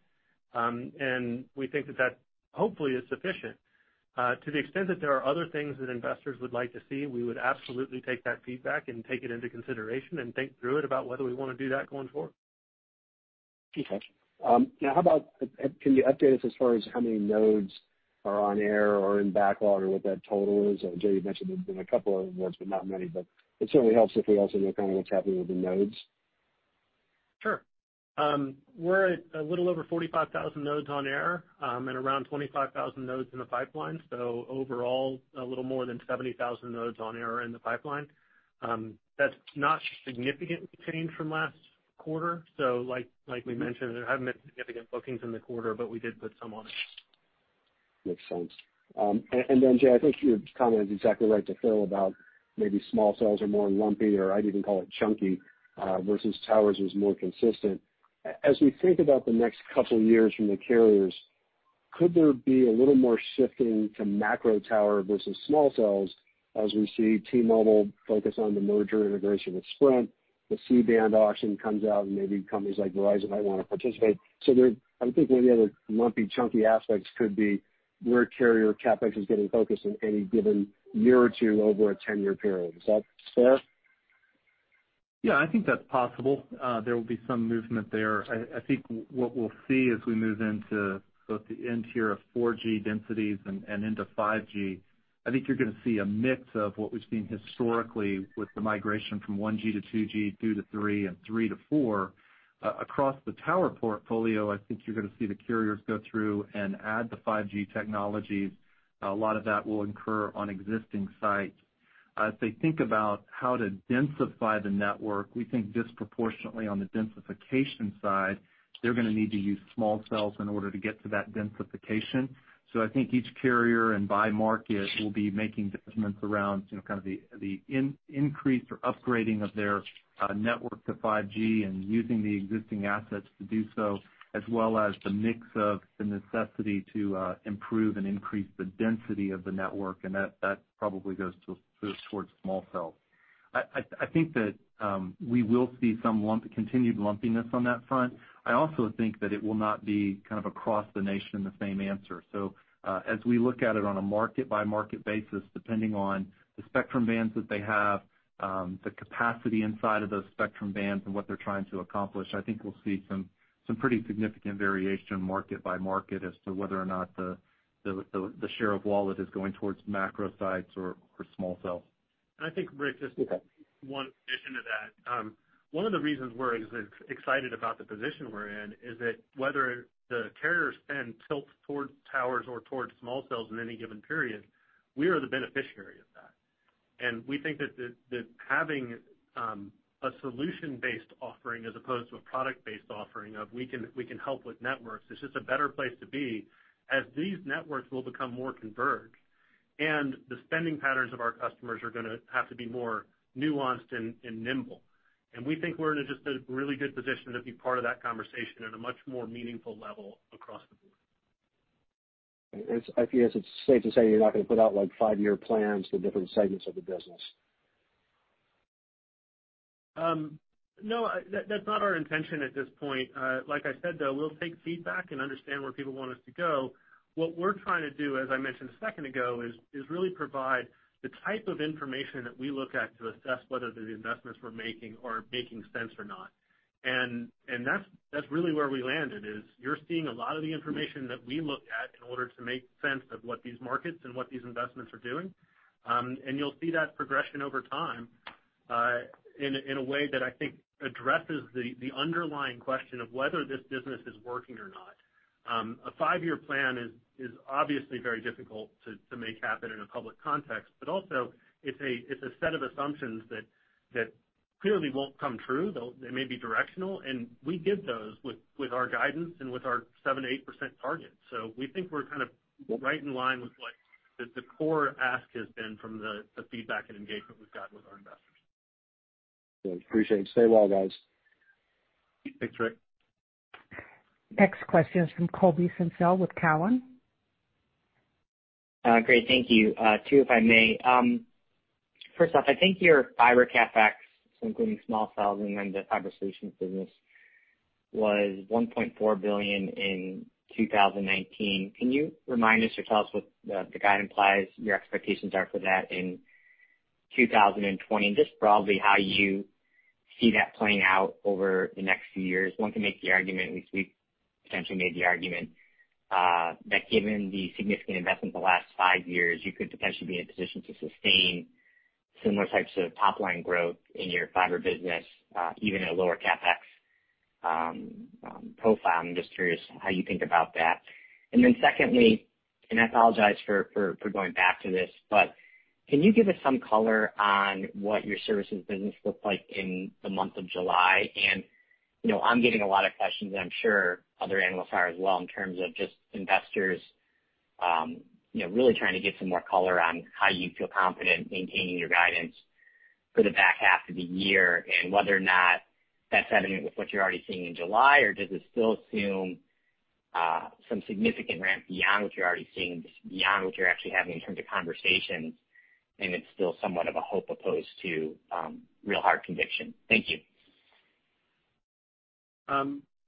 We think that that hopefully is sufficient. To the extent that there are other things that investors would like to see, we would absolutely take that feedback and take it into consideration and think through it about whether we want to do that going forward. Okay. Now, how about, can you update us as far as how many nodes are on air or in backlog or what that total is? I know, Jay, you mentioned there's been a couple of nodes, but not many. It certainly helps if we also know kind of what's happening with the nodes. Sure. We're at a little over 45,000 nodes on air, and around 25,000 nodes in the pipeline. Overall, a little more than 70,000 nodes on air in the pipeline. That's not significantly changed from last quarter. Like we mentioned, there haven't been significant bookings in the quarter, but we did put some on it. Makes sense. Then, Jay, I think your comment is exactly right to Phil about maybe small cells are more lumpy or I'd even call it chunky, versus towers is more consistent. As we think about the next couple years from the carriers, could there be a little more shifting to macro tower versus small cells as we see T-Mobile focus on the merger integration with Sprint, the C-band auction comes out and maybe companies like Verizon might want to participate. I would think one of the other lumpy, chunky aspects could be where carrier CapEx is getting focused in any given year or two over a 10-year period. Is that fair? I think that's possible. There will be some movement there. I think what we'll see as we move into both the end tier of 4G densities and into 5G, I think you're going to see a mix of what we've seen historically with the migration from 1G -2G, 2G-3G, and 3G-4G. Across the tower portfolio, I think you're going to see the carriers go through and add the 5G technologies. A lot of that will occur on existing sites. As they think about how to densify the network, we think disproportionately on the densification side, they're gonna need to use small cells in order to get to that densification. I think each carrier and by market will be making decisions around the increase or upgrading of their network to 5G and using the existing assets to do so, as well as the mix of the necessity to improve and increase the density of the network, and that probably goes towards small cells. I think that we will see some continued lumpiness on that front. I also think that it will not be kind of across the nation the same answer. As we look at it on a market-by-market basis, depending on the spectrum bands that they have, the capacity inside of those spectrum bands and what they're trying to accomplish, I think we'll see some pretty significant variation market by market as to whether or not the share of wallet is going towards macro sites or small cells. I think, Ric, Okay One addition to that. One of the reasons we're excited about the position we're in is that whether the carrier spend tilts towards towers or towards small cells in any given period, we are the beneficiary of that. We think that having a solution-based offering as opposed to a product-based offering of we can help with networks is just a better place to be as these networks will become more converged, and the spending patterns of our customers are gonna have to be more nuanced and nimble. We think we're in just a really good position to be part of that conversation at a much more meaningful level across the board. I guess it's safe to say you're not going to put out five-year plans for different segments of the business. No, that's not our intention at this point. Like I said, though, we'll take feedback and understand where people want us to go. What we're trying to do, as I mentioned a second ago, is really provide the type of information that we look at to assess whether the investments we're making are making sense or not. That's really where we landed is you're seeing a lot of the information that we look at in order to make sense of what these markets and what these investments are doing. You'll see that progression over time in a way that I think addresses the underlying question of whether this business is working or not. A five-year plan is obviously very difficult to make happen in a public context, but also it's a set of assumptions that clearly won't come true, though they may be directional, and we give those with our guidance and with our 7%-8% target. We think we're kind of right in line with what the core ask has been from the feedback and engagement we've got with our investors. Good. Appreciate it. Stay well, guys. Thanks, Ric. Next question is from Colby Synesael with Cowen. Great. Thank you. Two, if I may. First off, I think your fiber CapEx, including small cells and then the fiber solutions business, was $1.4 billion in 2019. Can you remind us or tell us what the guide implies your expectations are for that in 2020, and just broadly how you see that playing out over the next few years? One can make the argument, at least we've potentially made the argument, that given the significant investment the last five years, you could potentially be in a position to sustain similar types of top-line growth in your fiber business, even at a lower CapEx profile. I'm just curious how you think about that. Secondly, I apologize for going back to this, can you give us some color on what your services business looked like in the month of July? I'm getting a lot of questions, and I'm sure other analysts are as well, in terms of just investors really trying to get some more color on how you feel confident maintaining your guidance for the back half of the year and whether or not that's evident with what you're already seeing in July, or does it still assume some significant ramp beyond what you're already seeing, beyond what you're actually having in terms of conversations, and it's still somewhat of a hope opposed to real hard conviction. Thank you.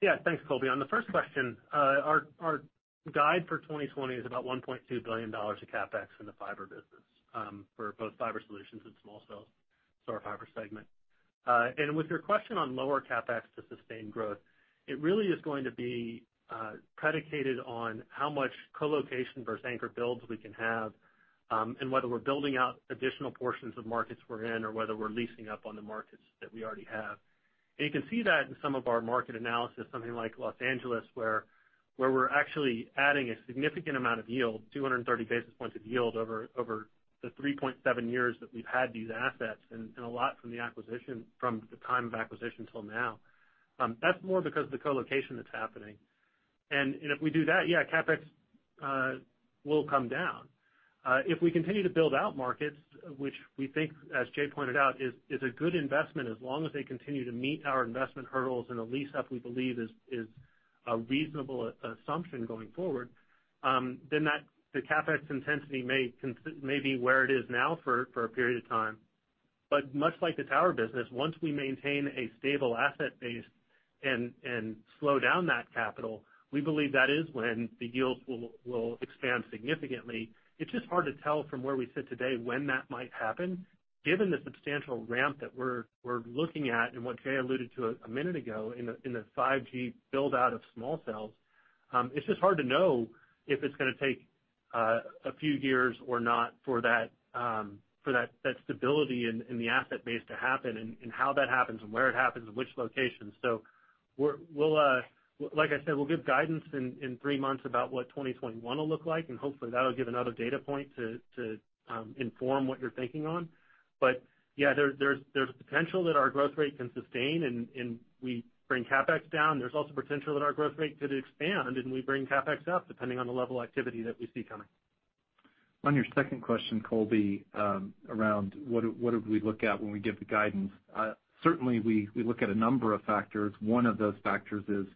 Yeah. Thanks, Colby. On the first question, our guide for 2020 is about $1.2 billion of CapEx in the fiber business, for both fiber solutions and small cells, so our fiber segment. With your question on lower CapEx to sustain growth, it really is going to be predicated on how much co-location versus anchor builds we can have, and whether we're building out additional portions of markets we're in, or whether we're leasing up on the markets that we already have. You can see that in some of our market analysis, something like Los Angeles, where we're actually adding a significant amount of yield, 230 basis points of yield over the 3.7 years that we've had these assets, and a lot from the time of acquisition till now. That's more because of the co-location that's happening. If we do that, yeah, CapEx will come down. If we continue to build out markets, which we think, as Jay pointed out, is a good investment as long as they continue to meet our investment hurdles and a lease up, we believe is a reasonable assumption going forward, then the CapEx intensity may be where it is now for a period of time. Much like the tower business, once we maintain a stable asset base and slow down that capital, we believe that is when the yields will expand significantly. It's just hard to tell from where we sit today when that might happen. Given the substantial ramp that we're looking at and what Jay alluded to a minute ago in the 5G build-out of small cells, it's just hard to know if it's going to take a few years or not for that stability in the asset base to happen and how that happens and where it happens and which locations. Like I said, we'll give guidance in three months about what 2021 will look like, and hopefully that'll give another data point to inform what you're thinking on. Yeah, there's potential that our growth rate can sustain and we bring CapEx down. There's also potential that our growth rate could expand, and we bring CapEx up depending on the level of activity that we see coming. On your second question, Colby, around what did we look at when we give the guidance? Certainly, we look at a number of factors. One of those factors is,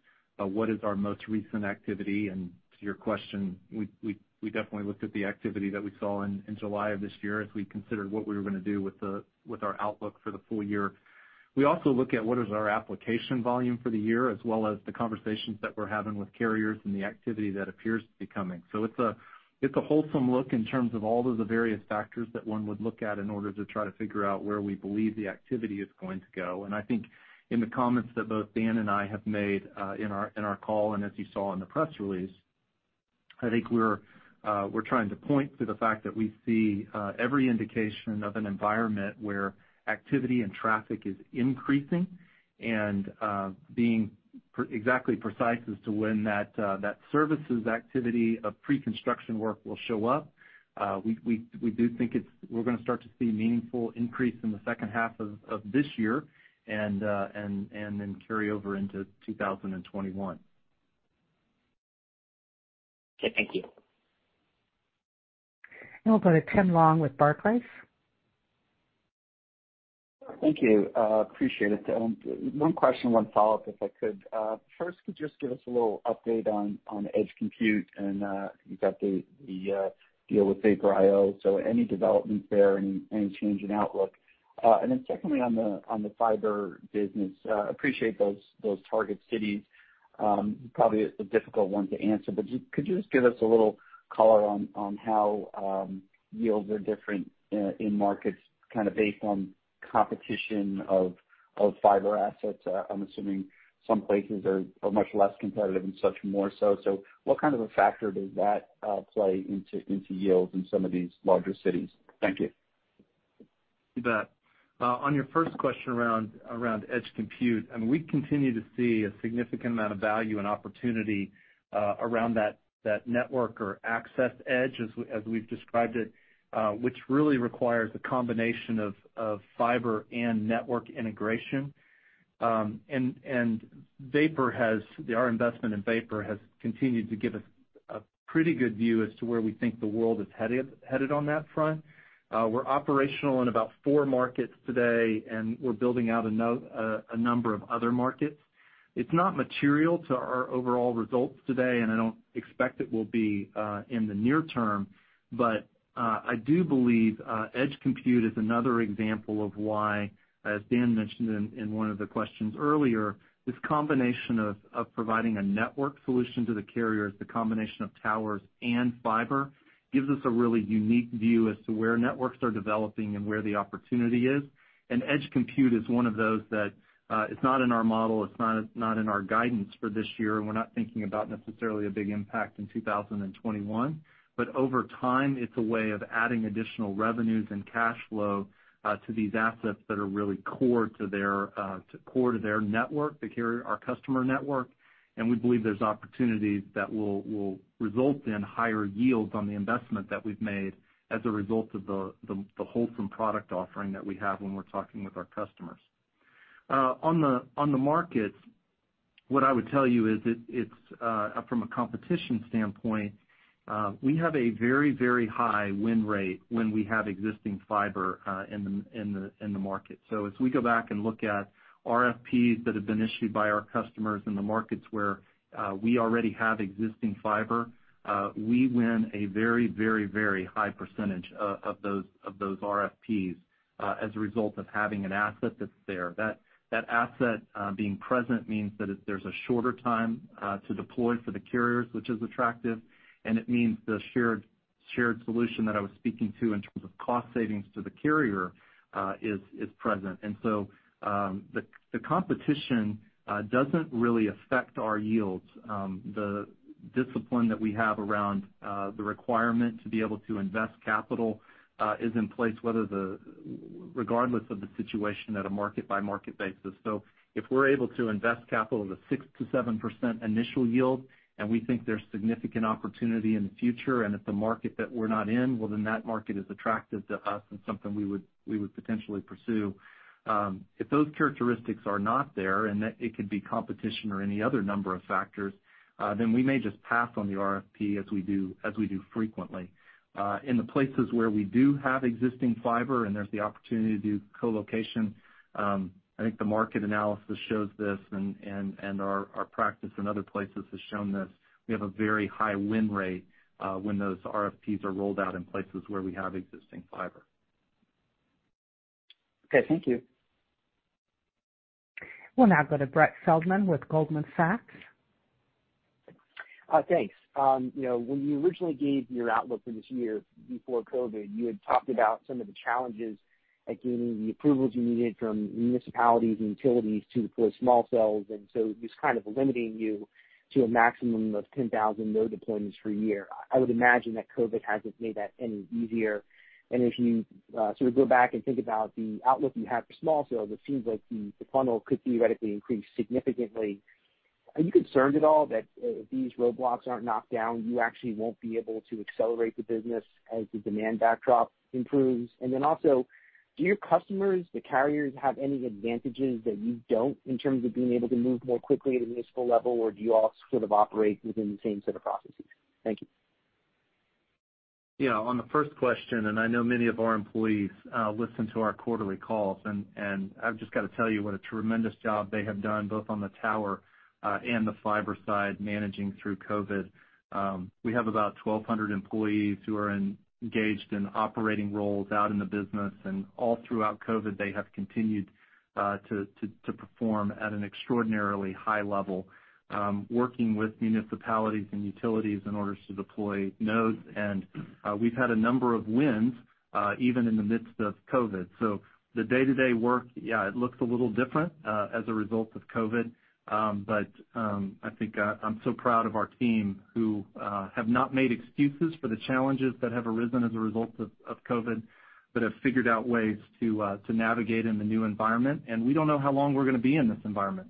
what is our most recent activity? To your question, we definitely looked at the activity that we saw in July of this year as we considered what we were going to do with our outlook for the full year. We also look at what is our application volume for the year, as well as the conversations that we're having with carriers and the activity that appears to be coming. It's a wholesome look in terms of all of the various factors that one would look at in order to try to figure out where we believe the activity is going to go. I think in the comments that both Dan and I have made, in our call and as you saw in the press release, I think we're trying to point to the fact that we see every indication of an environment where activity and traffic is increasing and being exactly precise as to when that services activity of pre-construction work will show up. We do think we're going to start to see meaningful increase in the second half of this year and then carry over into 2021. Okay. Thank you. We'll go to Tim Long with Barclays. Thank you. Appreciate it. One question, one follow-up, if I could. First, could you just give us a little update on edge compute and, you got the deal with Vapor IO, so any developments there, any change in outlook? Secondly, on the fiber business, appreciate those target cities. Probably a difficult one to answer, could you just give us a little color on how yields are different in markets based on competition of fiber assets? I'm assuming some places are much less competitive and such more so. What kind of a factor does that play into yields in some of these larger cities? Thank you. You bet. On your first question around edge compute, we continue to see a significant amount of value and opportunity around that network or access edge, as we've described it, which really requires a combination of fiber and network integration. Our investment in Vapor has continued to give us a pretty good view as to where we think the world is headed on that front. We're operational in about four markets today, and we're building out a number of other markets. It's not material to our overall results today, and I don't expect it will be in the near term. I do believe edge compute is another example of why, as Dan mentioned in one of the questions earlier, this combination of providing a network solution to the carriers, the combination of towers and fiber, gives us a really unique view as to where networks are developing and where the opportunity is. Edge compute is one of those that it's not in our model, it's not in our guidance for this year, and we're not thinking about necessarily a big impact in 2021. Over time, it's a way of adding additional revenues and cash flow to these assets that are really core to their network, our customer network. We believe there's opportunities that will result in higher yields on the investment that we've made as a result of the wholesome product offering that we have when we're talking with our customers. On the markets, what I would tell you is from a competition standpoint, we have a very, very high win rate when we have existing fiber in the market. As we go back and look at RFPs that have been issued by our customers in the markets where we already have existing fiber, we win a very, very high percentage of those RFPs as a result of having an asset that's there. That asset being present means that there's a shorter time to deploy for the carriers, which is attractive, and it means the shared solution that I was speaking to in terms of cost savings to the carrier is present. The competition doesn't really affect our yields. The discipline that we have around the requirement to be able to invest capital is in place regardless of the situation at a market-by-market basis. If we're able to invest capital with a 6%-7% initial yield, and we think there's significant opportunity in the future, and it's a market that we're not in, that market is attractive to us and something we would potentially pursue. If those characteristics are not there, and it could be competition or any other number of factors, we may just pass on the RFP as we do frequently. In the places where we do have existing fiber and there's the opportunity to do co-location, I think the market analysis shows this and our practice in other places has shown this, we have a very high win rate when those RFPs are rolled out in places where we have existing fiber. Okay, thank you. We'll now go to Brett Feldman with Goldman Sachs. Thanks. When you originally gave your outlook for this year before COVID, you had talked about some of the challenges at getting the approvals you needed from municipalities and utilities to deploy small cells, it was kind of limiting you to a maximum of 10,000 node deployments per year. I would imagine that COVID hasn't made that any easier. If you sort of go back and think about the outlook you have for small cells, it seems like the funnel could theoretically increase significantly. Are you concerned at all that if these roadblocks aren't knocked down, you actually won't be able to accelerate the business as the demand backdrop improves? Also, do your customers, the carriers, have any advantages that you don't in terms of being able to move more quickly at a municipal level, or do you all sort of operate within the same set of processes? Thank you. On the first question, I know many of our employees listen to our quarterly calls, I've just got to tell you what a tremendous job they have done, both on the tower and the fiber side, managing through COVID. We have about 1,200 employees who are engaged in operating roles out in the business, all throughout COVID, they have continued to perform at an extraordinarily high level, working with municipalities and utilities in order to deploy nodes. We've had a number of wins even in the midst of COVID. The day-to-day work, it looks a little different as a result of COVID. I think I'm so proud of our team, who have not made excuses for the challenges that have arisen as a result of COVID, but have figured out ways to navigate in the new environment. We don't know how long we're going to be in this environment.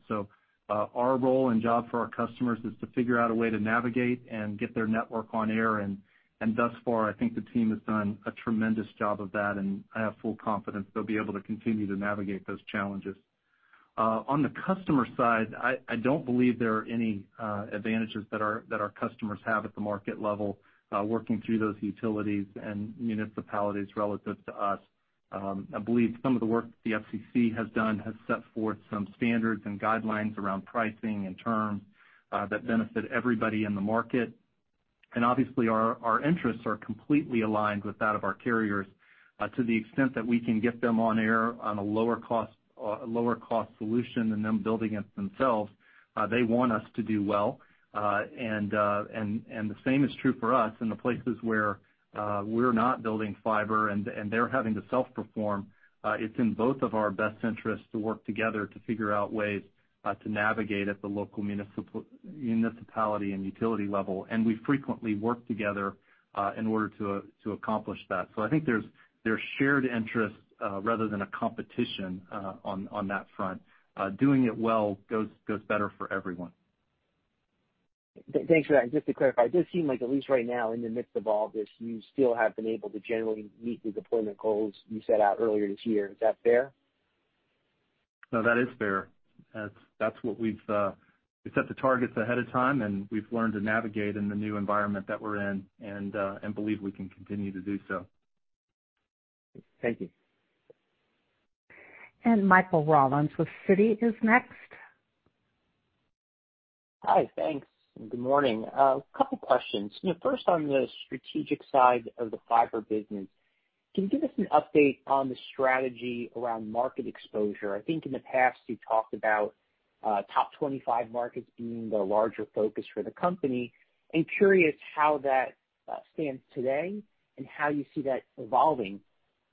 Our role and job for our customers is to figure out a way to navigate and get their network on air, thus far, I think the team has done a tremendous job of that, and I have full confidence they'll be able to continue to navigate those challenges. On the customer side, I don't believe there are any advantages that our customers have at the market level working through those utilities and municipalities relative to us. I believe some of the work the FCC has done has set forth some standards and guidelines around pricing and terms that benefit everybody in the market. Obviously, our interests are completely aligned with that of our carriers to the extent that we can get them on air on a lower cost solution than them building it themselves. They want us to do well. The same is true for us in the places where we're not building fiber and they're having to self-perform. It's in both of our best interests to work together to figure out ways to navigate at the local municipality and utility level. We frequently work together in order to accomplish that. I think there's shared interest rather than a competition on that front. Doing it well goes better for everyone. Thanks for that. Just to clarify, it does seem like at least right now in the midst of all this, you still have been able to generally meet the deployment goals you set out earlier this year. Is that fair? No, that is fair. We set the targets ahead of time, and we've learned to navigate in the new environment that we're in and believe we can continue to do so. Thank you. Michael Rollins with Citi is next. Hi, thanks. Good morning. A couple questions. First, on the strategic side of the fiber business, can you give us an update on the strategy around market exposure? I think in the past you talked about top 25 markets being the larger focus for the company. I'm curious how that stands today and how you see that evolving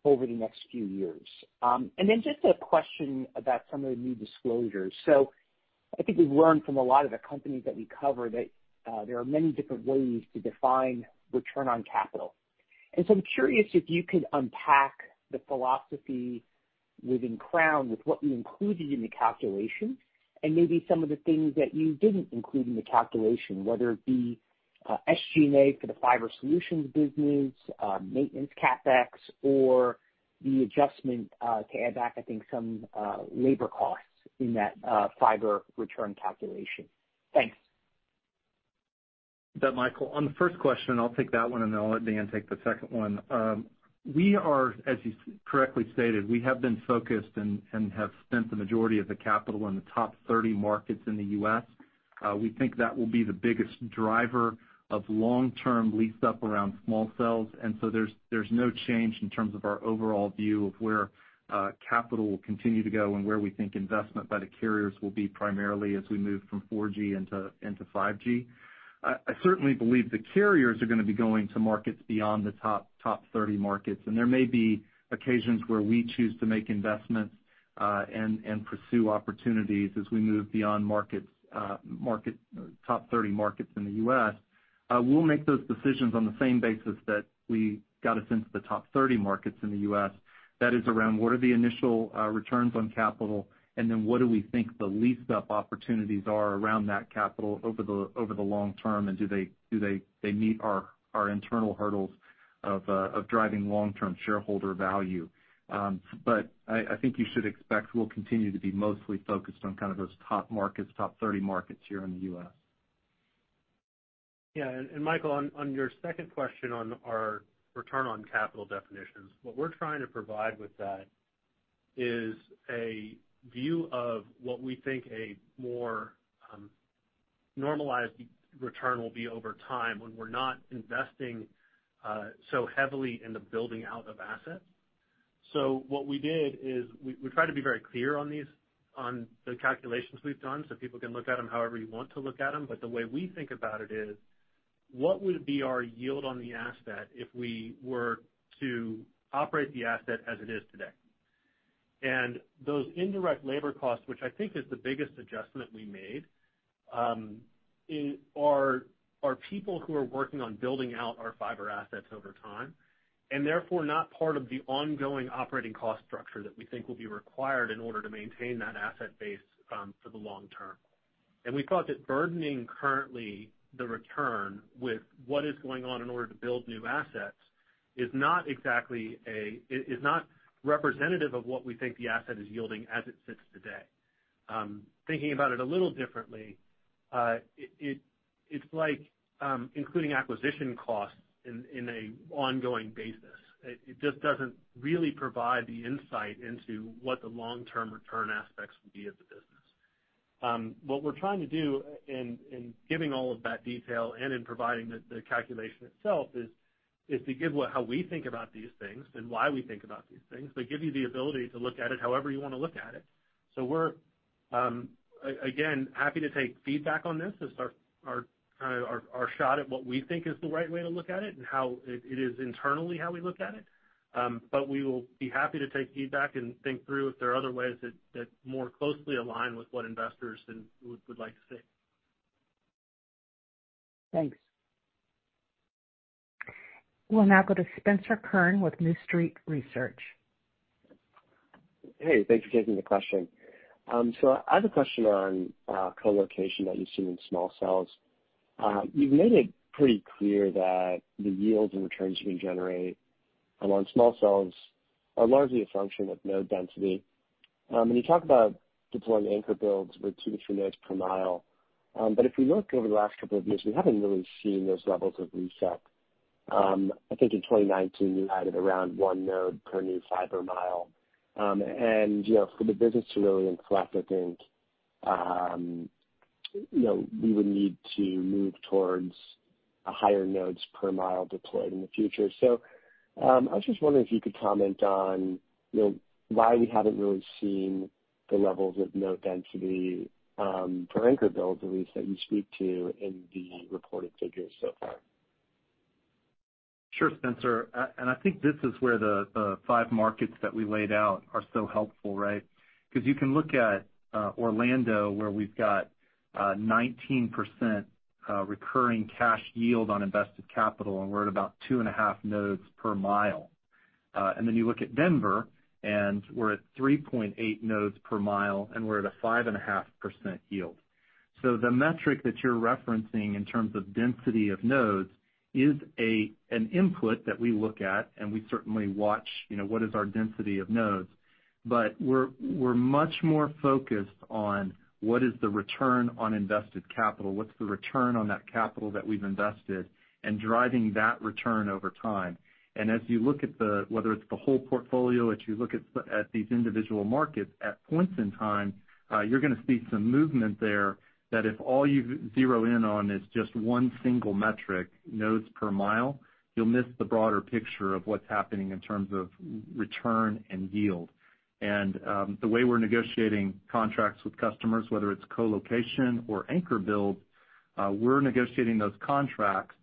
over the next few years. Just a question about some of the new disclosures. I think we've learned from a lot of the companies that we cover that there are many different ways to define return on capital. I'm curious if you could unpack the philosophy within Crown Castle with what you included in the calculation and maybe some of the things that you didn't include in the calculation, whether it be SG&A for the fiber solutions business, maintenance CapEx or the adjustment to add back, I think, some labor costs in that fiber return calculation. Thanks. Michael. On the first question, I'll take that one and then I'll let Dan take the second one. As you correctly stated, we have been focused and have spent the majority of the capital in the top 30 markets in the U.S. We think that will be the biggest driver of long-term lease-up around small cells. There's no change in terms of our overall view of where capital will continue to go and where we think investment by the carriers will be primarily as we move from 4G into 5G. I certainly believe the carriers are going to be going to markets beyond the top 30 markets, and there may be occasions where we choose to make investments, and pursue opportunities as we move beyond top 30 markets in the U.S. We'll make those decisions on the same basis that we got us into the top 30 markets in the U.S. That is, around what are the initial returns on capital, and then what do we think the leased-up opportunities are around that capital over the long term, and do they meet our internal hurdles of driving long-term shareholder value? I think you should expect we'll continue to be mostly focused on those top markets, top 30 markets here in the U.S. Yeah. Michael, on your second question on our return on capital definitions, what we're trying to provide with that is a view of what we think a more normalized return will be over time when we're not investing so heavily in the building out of assets. What we did is we try to be very clear on the calculations we've done so people can look at them however you want to look at them. The way we think about it is, what would be our yield on the asset if we were to operate the asset as it is today? Those indirect labor costs, which I think is the biggest adjustment we made, are people who are working on building out our fiber assets over time, and therefore not part of the ongoing operating cost structure that we think will be required in order to maintain that asset base for the long term. We thought that burdening currently the return with what is going on in order to build new assets is not representative of what we think the asset is yielding as it sits today. Thinking about it a little differently, it's like including acquisition costs in an ongoing basis. It just doesn't really provide the insight into what the long-term return aspects will be of the business. What we're trying to do in giving all of that detail and in providing the calculation itself is to give how we think about these things and why we think about these things, but give you the ability to look at it however you want to look at it. We're, again, happy to take feedback on this. It's our shot at what we think is the right way to look at it and how it is internally, how we look at it. We will be happy to take feedback and think through if there are other ways that more closely align with what investors would like to see. Thanks. We'll now go to Spencer Kurn with New Street Research. Hey, thanks for taking the question. I have a question on colocation that you see in small cells. You've made it pretty clear that the yields and returns you can generate on small cells are largely a function of node density. You talk about deploying anchor builds with 2-3 nodes per mile. If we look over the last couple of years, we haven't really seen those levels of lease-up. I think in 2019, you added around one node per new fiber mile. For the business to really inflect, I think, we would need to move towards a higher nodes per mile deployed in the future. I was just wondering if you could comment on why we haven't really seen the levels of node density, for anchor builds at least, that you speak to in the reported figures so far. Sure, Spencer. I think this is where the five markets that we laid out are so helpful, right? You can look at Orlando, where we've got 19% recurring cash yield on invested capital, and we're at about 2.5 nodes per mile. Then you look at Denver, and we're at 3.8 nodes per mile, and we're at a 5.5% yield. The metric that you're referencing in terms of density of nodes is an input that we look at and we certainly watch what is our density of nodes. We're much more focused on what is the return on invested capital, what's the return on that capital that we've invested, and driving that return over time. As you look at the, whether it's the whole portfolio, as you look at these individual markets at points in time, you're going to see some movement there that if all you zero in on is just one single metric, nodes per mile, you'll miss the broader picture of what's happening in terms of return and yield. The way we're negotiating contracts with customers, whether it's colocation or anchor build, we're negotiating those contracts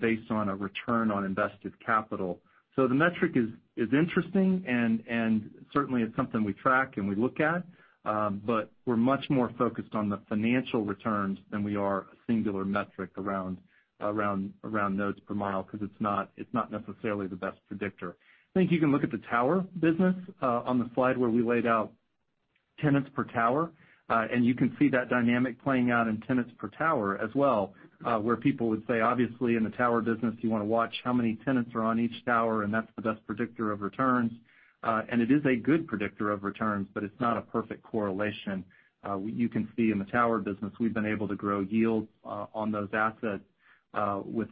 based on a return on invested capital. The metric is interesting and certainly it's something we track and we look at, but we're much more focused on the financial returns than we are a singular metric around nodes per mile, because it's not necessarily the best predictor. I think you can look at the tower business on the slide where we laid out Tenants per tower. You can see that dynamic playing out in tenants per tower as well, where people would say, obviously, in the tower business, you want to watch how many tenants are on each tower, and that's the best predictor of returns. It is a good predictor of returns, but it's not a perfect correlation. You can see in the tower business, we've been able to grow yields on those assets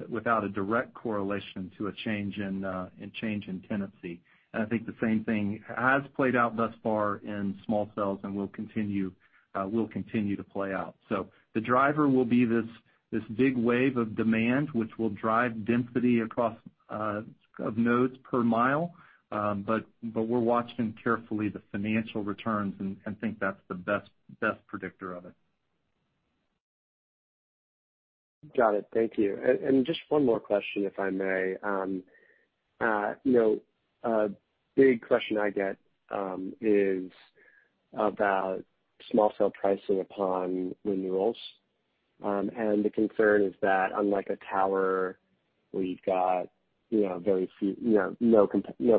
without a direct correlation to a change in tenancy. I think the same thing has played out thus far in small cells and will continue to play out. The driver will be this big wave of demand, which will drive density across of nodes per mile. We're watching carefully the financial returns and think that's the best predictor of it. Got it. Thank you. Just one more question, if I may. A big question I get is about small cell pricing upon renewals. The concern is that unlike a tower where you've got no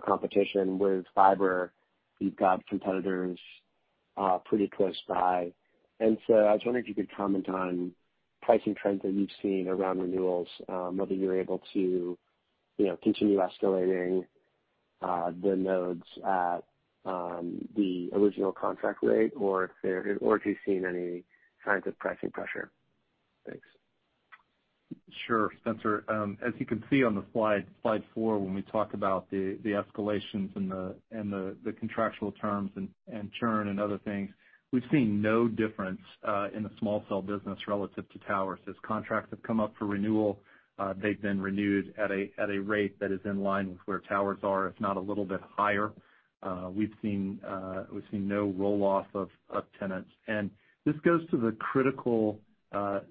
competition with fiber, you've got competitors pretty close by. I was wondering if you could comment on pricing trends that you've seen around renewals, whether you're able to continue escalating the nodes at the original contract rate or if you're seeing any signs of pricing pressure. Thanks. Sure, Spencer. As you can see on the slide four, when we talk about the escalations and the contractual terms and churn and other things, we've seen no difference in the small cell business relative to towers. As contracts have come up for renewal, they've been renewed at a rate that is in line with where towers are, if not a little bit higher. We've seen no roll-off of tenants. This goes to the critical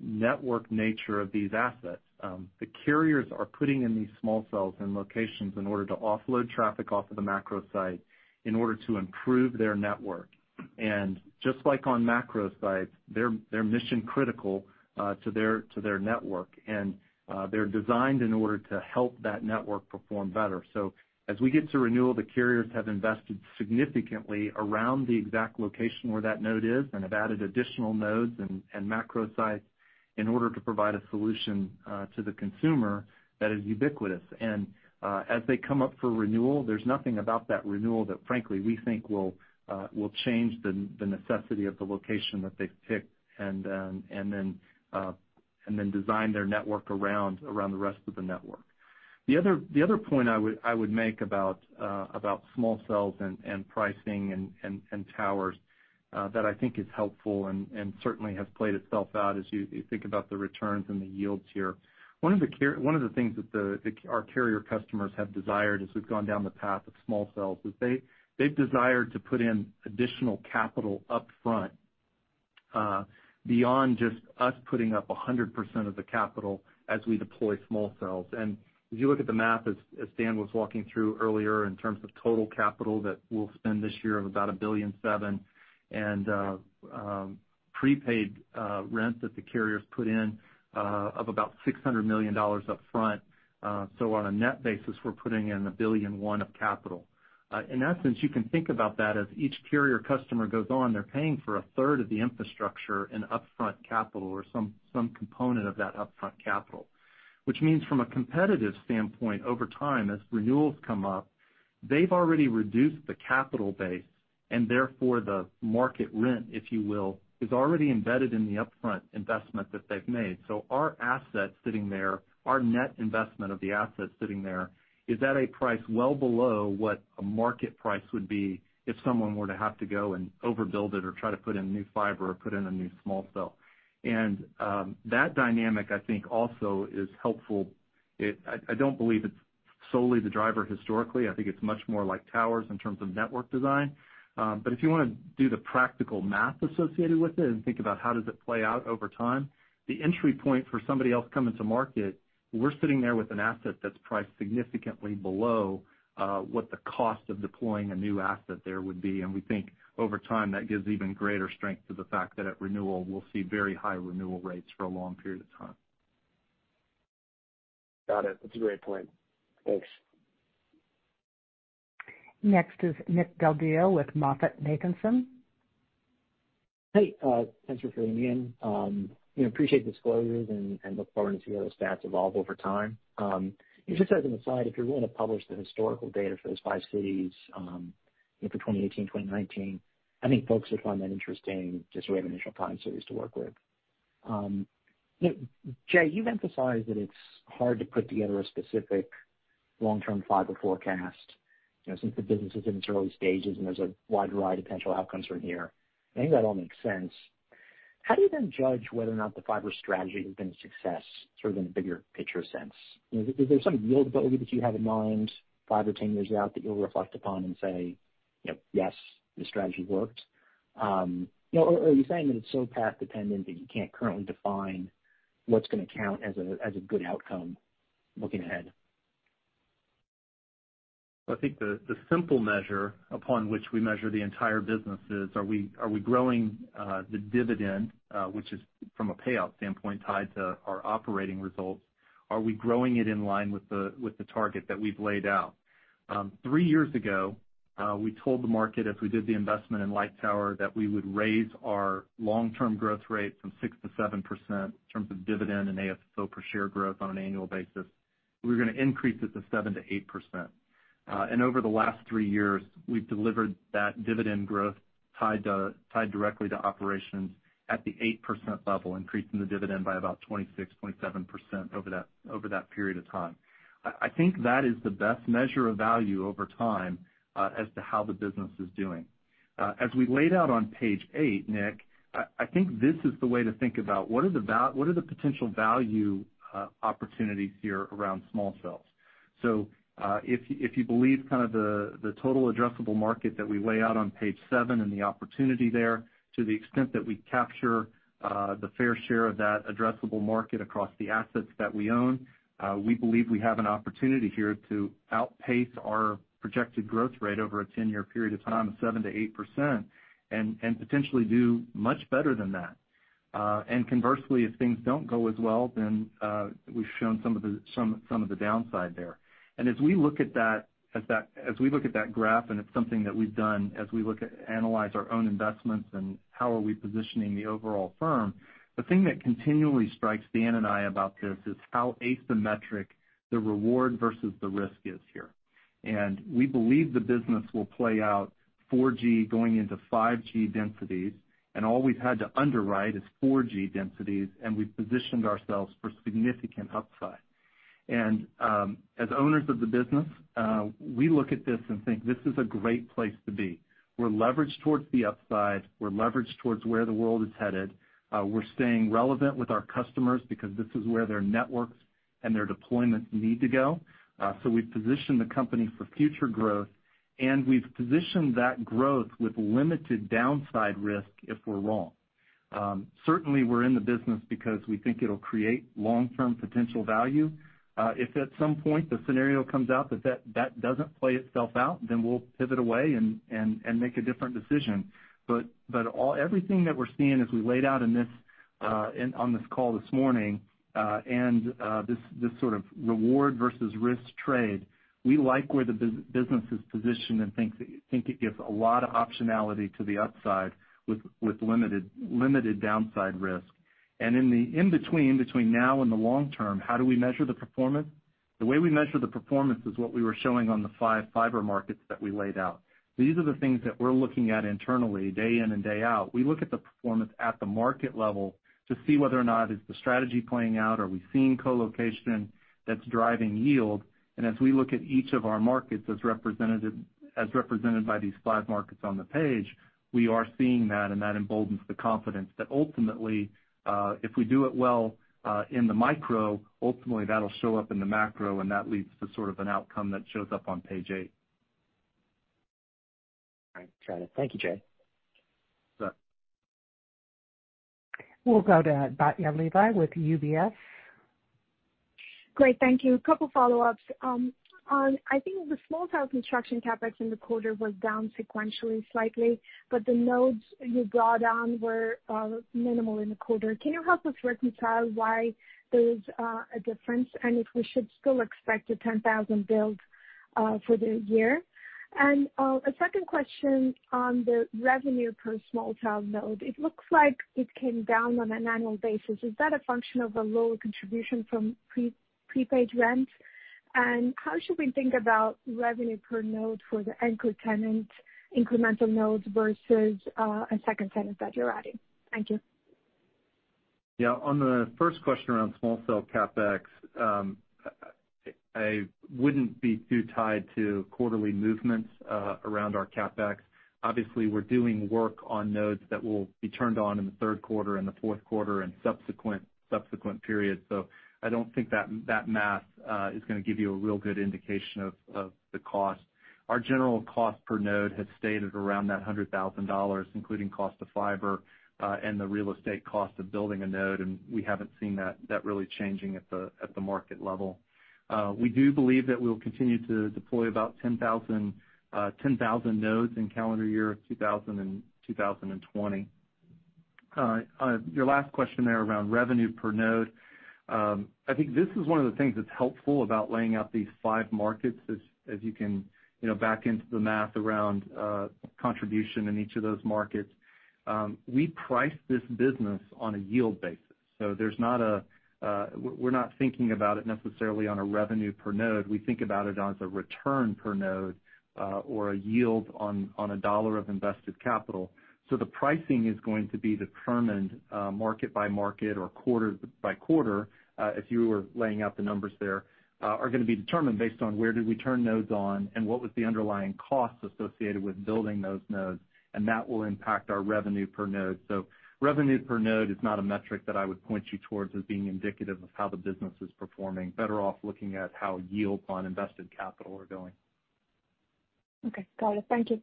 network nature of these assets. The carriers are putting in these small cells in locations in order to offload traffic off of the macro site in order to improve their network. Just like on macro sites, they're mission critical to their network, and they're designed in order to help that network perform better. As we get to renewal, the carriers have invested significantly around the exact location where that node is and have added additional nodes and macro sites in order to provide a solution to the consumer that is ubiquitous. As they come up for renewal, there's nothing about that renewal that frankly, we think will change the necessity of the location that they've picked and then design their network around the rest of the network. The other point I would make about small cells and pricing and towers that I think is helpful and certainly has played itself out as you think about the returns and the yields here. One of the things that our carrier customers have desired as we've gone down the path of small cells is they've desired to put in additional capital up front beyond just us putting up 100% of the capital as we deploy small cells. As you look at the math, as Dan was walking through earlier, in terms of total capital that we'll spend this year of about $1.7 billion and prepaid rent that the carriers put in of about $600 million up front. On a net basis, we're putting in $1.1 billion of capital. In essence, you can think about that as each carrier customer goes on, they're paying for a third of the infrastructure in upfront capital or some component of that upfront capital. Which means from a competitive standpoint, over time, as renewals come up, they've already reduced the capital base, and therefore the market rent, if you will, is already embedded in the upfront investment that they've made. Our asset sitting there, our net investment of the asset sitting there is at a price well below what a market price would be if someone were to have to go and overbuild it or try to put in new fiber or put in a new small cell. That dynamic, I think also is helpful. I don't believe it's solely the driver historically. I think it's much more like towers in terms of network design. If you want to do the practical math associated with it and think about how does it play out over time, the entry point for somebody else coming to market, we're sitting there with an asset that's priced significantly below what the cost of deploying a new asset there would be. We think over time, that gives even greater strength to the fact that at renewal, we'll see very high renewal rates for a long period of time. Got it. That's a great point. Thanks. Next is Nick Del Deo with MoffettNathanson. Hey, thanks for fitting me in. Appreciate the disclosures and look forward to seeing how those stats evolve over time. Just as an aside, if you're willing to publish the historical data for those five cities, for 2018, 2019, I think folks would find that interesting just so we have initial five cities to work with. Jay, you've emphasized that it's hard to put together a specific long-term fiber forecast since the business is in its early stages and there's a wide array of potential outcomes from here. I think that all makes sense. How do you then judge whether or not the fiber strategy has been a success in a bigger picture sense? Is there some yield goal that you have in mind five or 10 years out that you'll reflect upon and say, "Yes, the strategy worked"? Are you saying that it's so path dependent that you can't currently define what's going to count as a good outcome looking ahead? I think the simple measure upon which we measure the entire business is, are we growing the dividend, which is from a payout standpoint, tied to our operating results. Are we growing it in line with the target that we've laid out. Three years ago, we told the market as we did the investment in Lightower, that we would raise our long-term growth rate from 6%-7% in terms of dividend and AFFO per share growth on an annual basis. We were going to increase it to 7%-8%. And over the last three years, we've delivered that dividend growth tied directly to operations at the 8% level, increasing the dividend by about 26.7% over that period of time. I think that is the best measure of value over time as to how the business is doing. As we laid out on page eight, Nick, I think this is the way to think about what are the potential value opportunities here around small cells. If you believe the total addressable market that we lay out on page seven and the opportunity there, to the extent that we capture the fair share of that addressable market across the assets that we own, we believe we have an opportunity here to outpace our projected growth rate over a 10-year period of time of 7%-8% and potentially do much better than that. Conversely, if things don't go as well, we've shown some of the downside there. As we look at that graph, it's something that we've done as we analyze our own investments and how are we positioning the overall firm, the thing that continually strikes Dan and I about this is how asymmetric the reward versus the risk is here. We believe the business will play out 4G going into 5G densities, all we've had to underwrite is 4G densities, and we've positioned ourselves for significant upside. As owners of the business, we look at this and think this is a great place to be. We're leveraged towards the upside. We're leveraged towards where the world is headed. We're staying relevant with our customers because this is where their networks and their deployments need to go. We've positioned the company for future growth, and we've positioned that growth with limited downside risk if we're wrong. Certainly, we're in the business because we think it'll create long-term potential value. If at some point the scenario comes out that doesn't play itself out, then we'll pivot away and make a different decision. Everything that we're seeing as we laid out on this call this morning, and this sort of reward versus risk trade, we like where the business is positioned and think it gives a lot of optionality to the upside with limited downside risk. In between now and the long term, how do we measure the performance? The way we measure the performance is what we were showing on the five fiber markets that we laid out. These are the things that we're looking at internally day in and day out. We look at the performance at the market level to see whether or not is the strategy playing out. Are we seeing colocation that's driving yield? As we look at each of our markets as represented by these five markets on the page, we are seeing that, and that emboldens the confidence that ultimately, if we do it well in the micro, ultimately that'll show up in the macro, and that leads to sort of an outcome that shows up on page eight. All right, got it. Thank you, Jay. Sure. We'll go to Batya Levi with UBS. Great, thank you. A couple follow-ups. I think the small cell construction CapEx in the quarter was down sequentially slightly, but the nodes you brought on were minimal in the quarter. Can you help us reconcile why there's a difference and if we should still expect a 10,000 build for the year? A second question on the revenue per small cell node. It looks like it came down on an annual basis. Is that a function of a lower contribution from prepaid rent? How should we think about revenue per node for the anchor tenant incremental nodes versus a second tenant that you're adding? Thank you. Yeah, on the first question around small cell CapEx, I wouldn't be too tied to quarterly movements around our CapEx. Obviously, we're doing work on nodes that will be turned on in the third quarter and the fourth quarter and subsequent periods. I don't think that math is going to give you a real good indication of the cost. Our general cost per node has stayed at around that $100,000, including cost of fiber, and the real estate cost of building a node, and we haven't seen that really changing at the market level. We do believe that we'll continue to deploy about 10,000 nodes in calendar year 2020. Your last question there around revenue per node. I think this is one of the things that's helpful about laying out these five markets as you can back into the math around contribution in each of those markets. We price this business on a yield basis. We're not thinking about it necessarily on a revenue per node. We think about it as a return per node, or a yield on a dollar of invested capital. The pricing is going to be determined market by market or quarter by quarter, as you were laying out the numbers there, are going to be determined based on where did we turn nodes on and what was the underlying cost associated with building those nodes, and that will impact our revenue per node. Revenue per node is not a metric that I would point you towards as being indicative of how the business is performing. Better off looking at how yields on invested capital are going. Okay, got it. Thank you.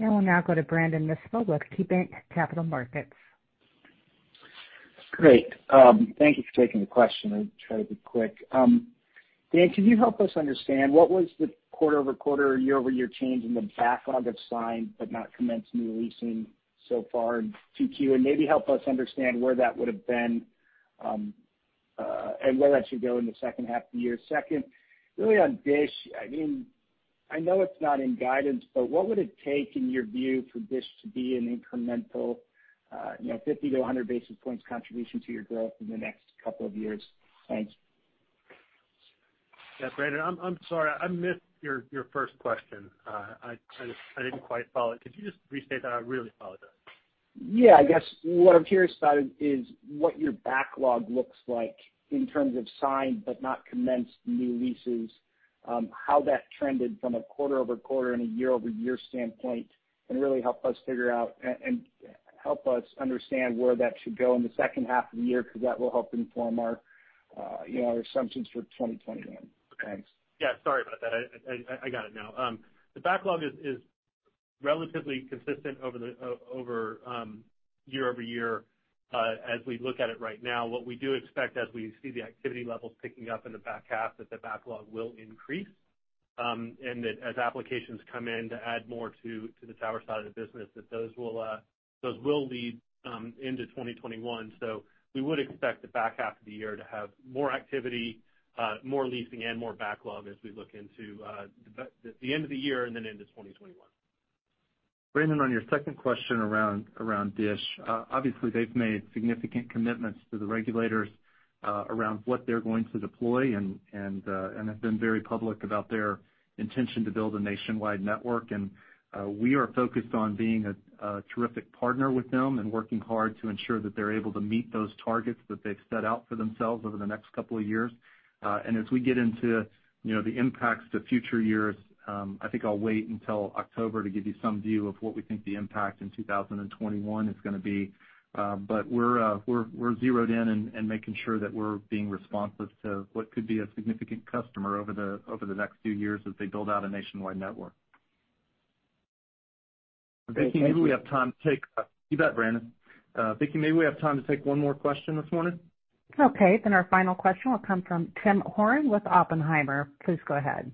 We'll now go to Brandon Nispel with KeyBanc Capital Markets. Great. Thank you for taking the question. I'll try to be quick. Dan, can you help us understand what was the quarter-over-quarter, year-over-year change in the backlog of signed but not commenced new leasing so far in 2Q? Maybe help us understand where that would have been, and where that should go in the second half of the year. Second, really on DISH. I know it's not in guidance, but what would it take, in your view, for DISH to be an incremental 50 to 100 basis points contribution to your growth in the next couple of years? Thanks. Yeah, Brandon, I'm sorry. I missed your first question. I didn't quite follow it. Could you just restate that? I really apologize. Yeah, I guess what I'm curious about is what your backlog looks like in terms of signed but not commenced new leases, how that trended from a quarter-over-quarter and a year-over-year standpoint, and really help us figure out and help us understand where that should go in the second half of the year, because that will help inform our assumptions for 2021. Thanks. Yeah, sorry about that. I got it now. The backlog is relatively consistent over year-over-year as we look at it right now. What we do expect as we see the activity levels picking up in the back half, that the backlog will increase, and that as applications come in to add more to the tower side of the business, that those will lead into 2021. We would expect the back half of the year to have more activity, more leasing and more backlog as we look into the end of the year and then into 2021. Brandon, on your second question around Dish. Obviously, they've made significant commitments to the regulators around what they're going to deploy and have been very public about their intention to build a nationwide network. We are focused on being a terrific partner with them and working hard to ensure that they're able to meet those targets that they've set out for themselves over the next couple of years. As we get into the impacts to future years, I think I'll wait until October to give you some view of what we think the impact in 2021 is going to be. We're zeroed in and making sure that we're being responsive to what could be a significant customer over the next few years as they build out a nationwide network. Vicky, maybe we have time. Thank you. You bet, Brandon. Vicky, maybe we have time to take one more question this morning. Okay. Our final question will come from Tim Horan with Oppenheimer. Please go ahead.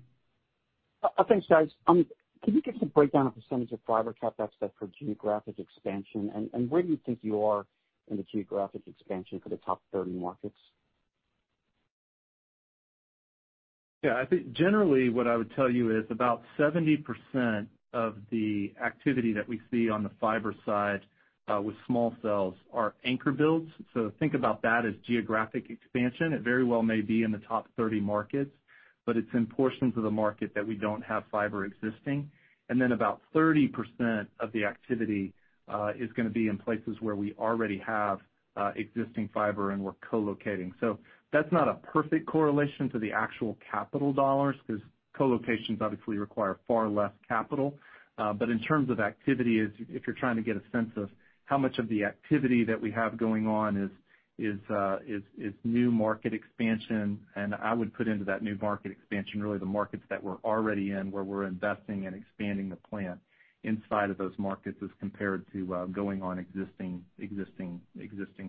Thanks, guys. Can you give us a breakdown of percentage of fiber CapEx that's for geographic expansion, and where do you think you are in the geographic expansion for the top 30 markets? I think generally what I would tell you is about 70% of the activity that we see on the fiber side with small cells are anchor builds. Think about that as geographic expansion. It very well may be in the top 30 markets, but it's in portions of the market that we don't have fiber existing. About 30% of the activity is going to be in places where we already have existing fiber and we're co-locating. That's not a perfect correlation to the actual capital dollars, because co-locations obviously require far less capital. In terms of activity, if you're trying to get a sense of how much of the activity that we have going on is new market expansion, and I would put into that new market expansion, really the markets that we're already in, where we're investing and expanding the plant inside of those markets as compared to going on existing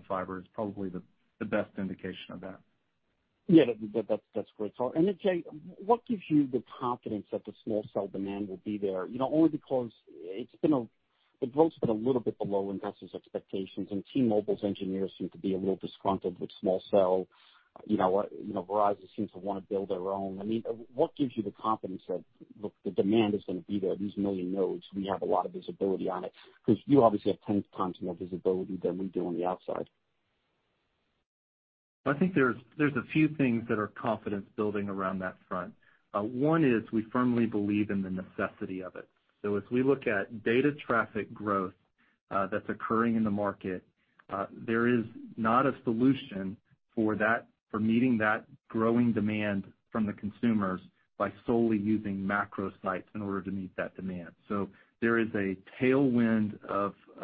fiber is probably the best indication of that. Yeah, that's great. Jay, what gives you the confidence that the small cell demand will be there? Only because the growth's been a little bit below investors' expectations, and T-Mobile's engineers seem to be a little disgruntled with small cell. Verizon seems to want to build their own. What gives you the confidence that, look, the demand is going to be there, these million nodes, we have a lot of visibility on it, because you obviously have 10x more visibility than we do on the outside. I think there's a few things that are confidence-building around that front. One is we firmly believe in the necessity of it. If we look at data traffic growth that's occurring in the market, there is not a solution for meeting that growing demand from the consumers by solely using macro sites in order to meet that demand. There is a tailwind to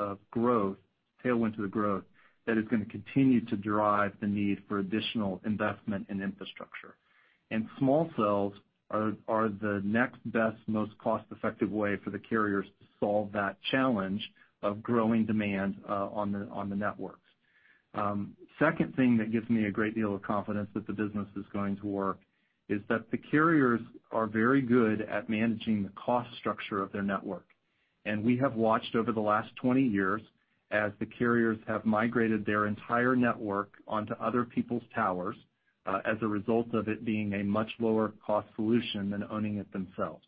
the growth that is going to continue to drive the need for additional investment in infrastructure. Small cells are the next best, most cost-effective way for the carriers to solve that challenge of growing demand on the networks. Second thing that gives me a great deal of confidence that the business is going to work is that the carriers are very good at managing the cost structure of their network. We have watched over the last 20 years as the carriers have migrated their entire network onto other people's towers as a result of it being a much lower cost solution than owning it themselves.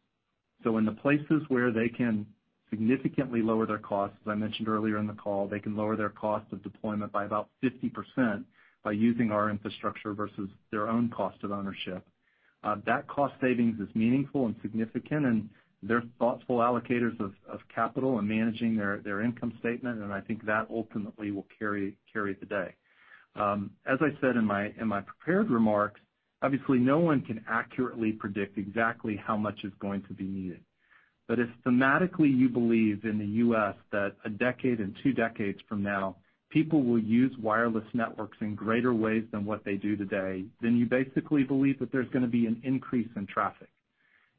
In the places where they can significantly lower their costs, as I mentioned earlier in the call, they can lower their cost of deployment by about 50% by using our infrastructure versus their own cost of ownership. That cost savings is meaningful and significant, and they're thoughtful allocators of capital and managing their income statement, and I think that ultimately will carry the day. As I said in my prepared remarks, obviously no one can accurately predict exactly how much is going to be needed. If thematically you believe in the U.S. that a decade and two decades from now, people will use wireless networks in greater ways than what they do today, then you basically believe that there's going to be an increase in traffic.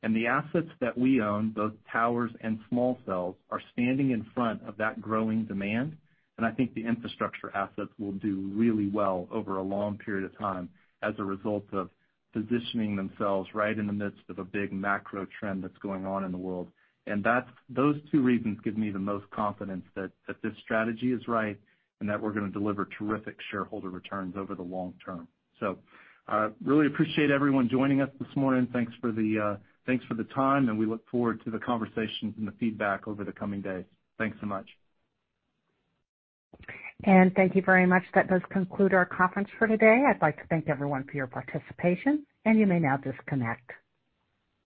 The assets that we own, both towers and small cells, are standing in front of that growing demand. I think the infrastructure assets will do really well over a long period of time as a result of positioning themselves right in the midst of a big macro trend that's going on in the world. Those two reasons give me the most confidence that this strategy is right and that we're going to deliver terrific shareholder returns over the long term. Really appreciate everyone joining us this morning. Thanks for the time, and we look forward to the conversations and the feedback over the coming days. Thanks so much. Thank you very much. That does conclude our conference for today. I'd like to thank everyone for your participation, and you may now disconnect.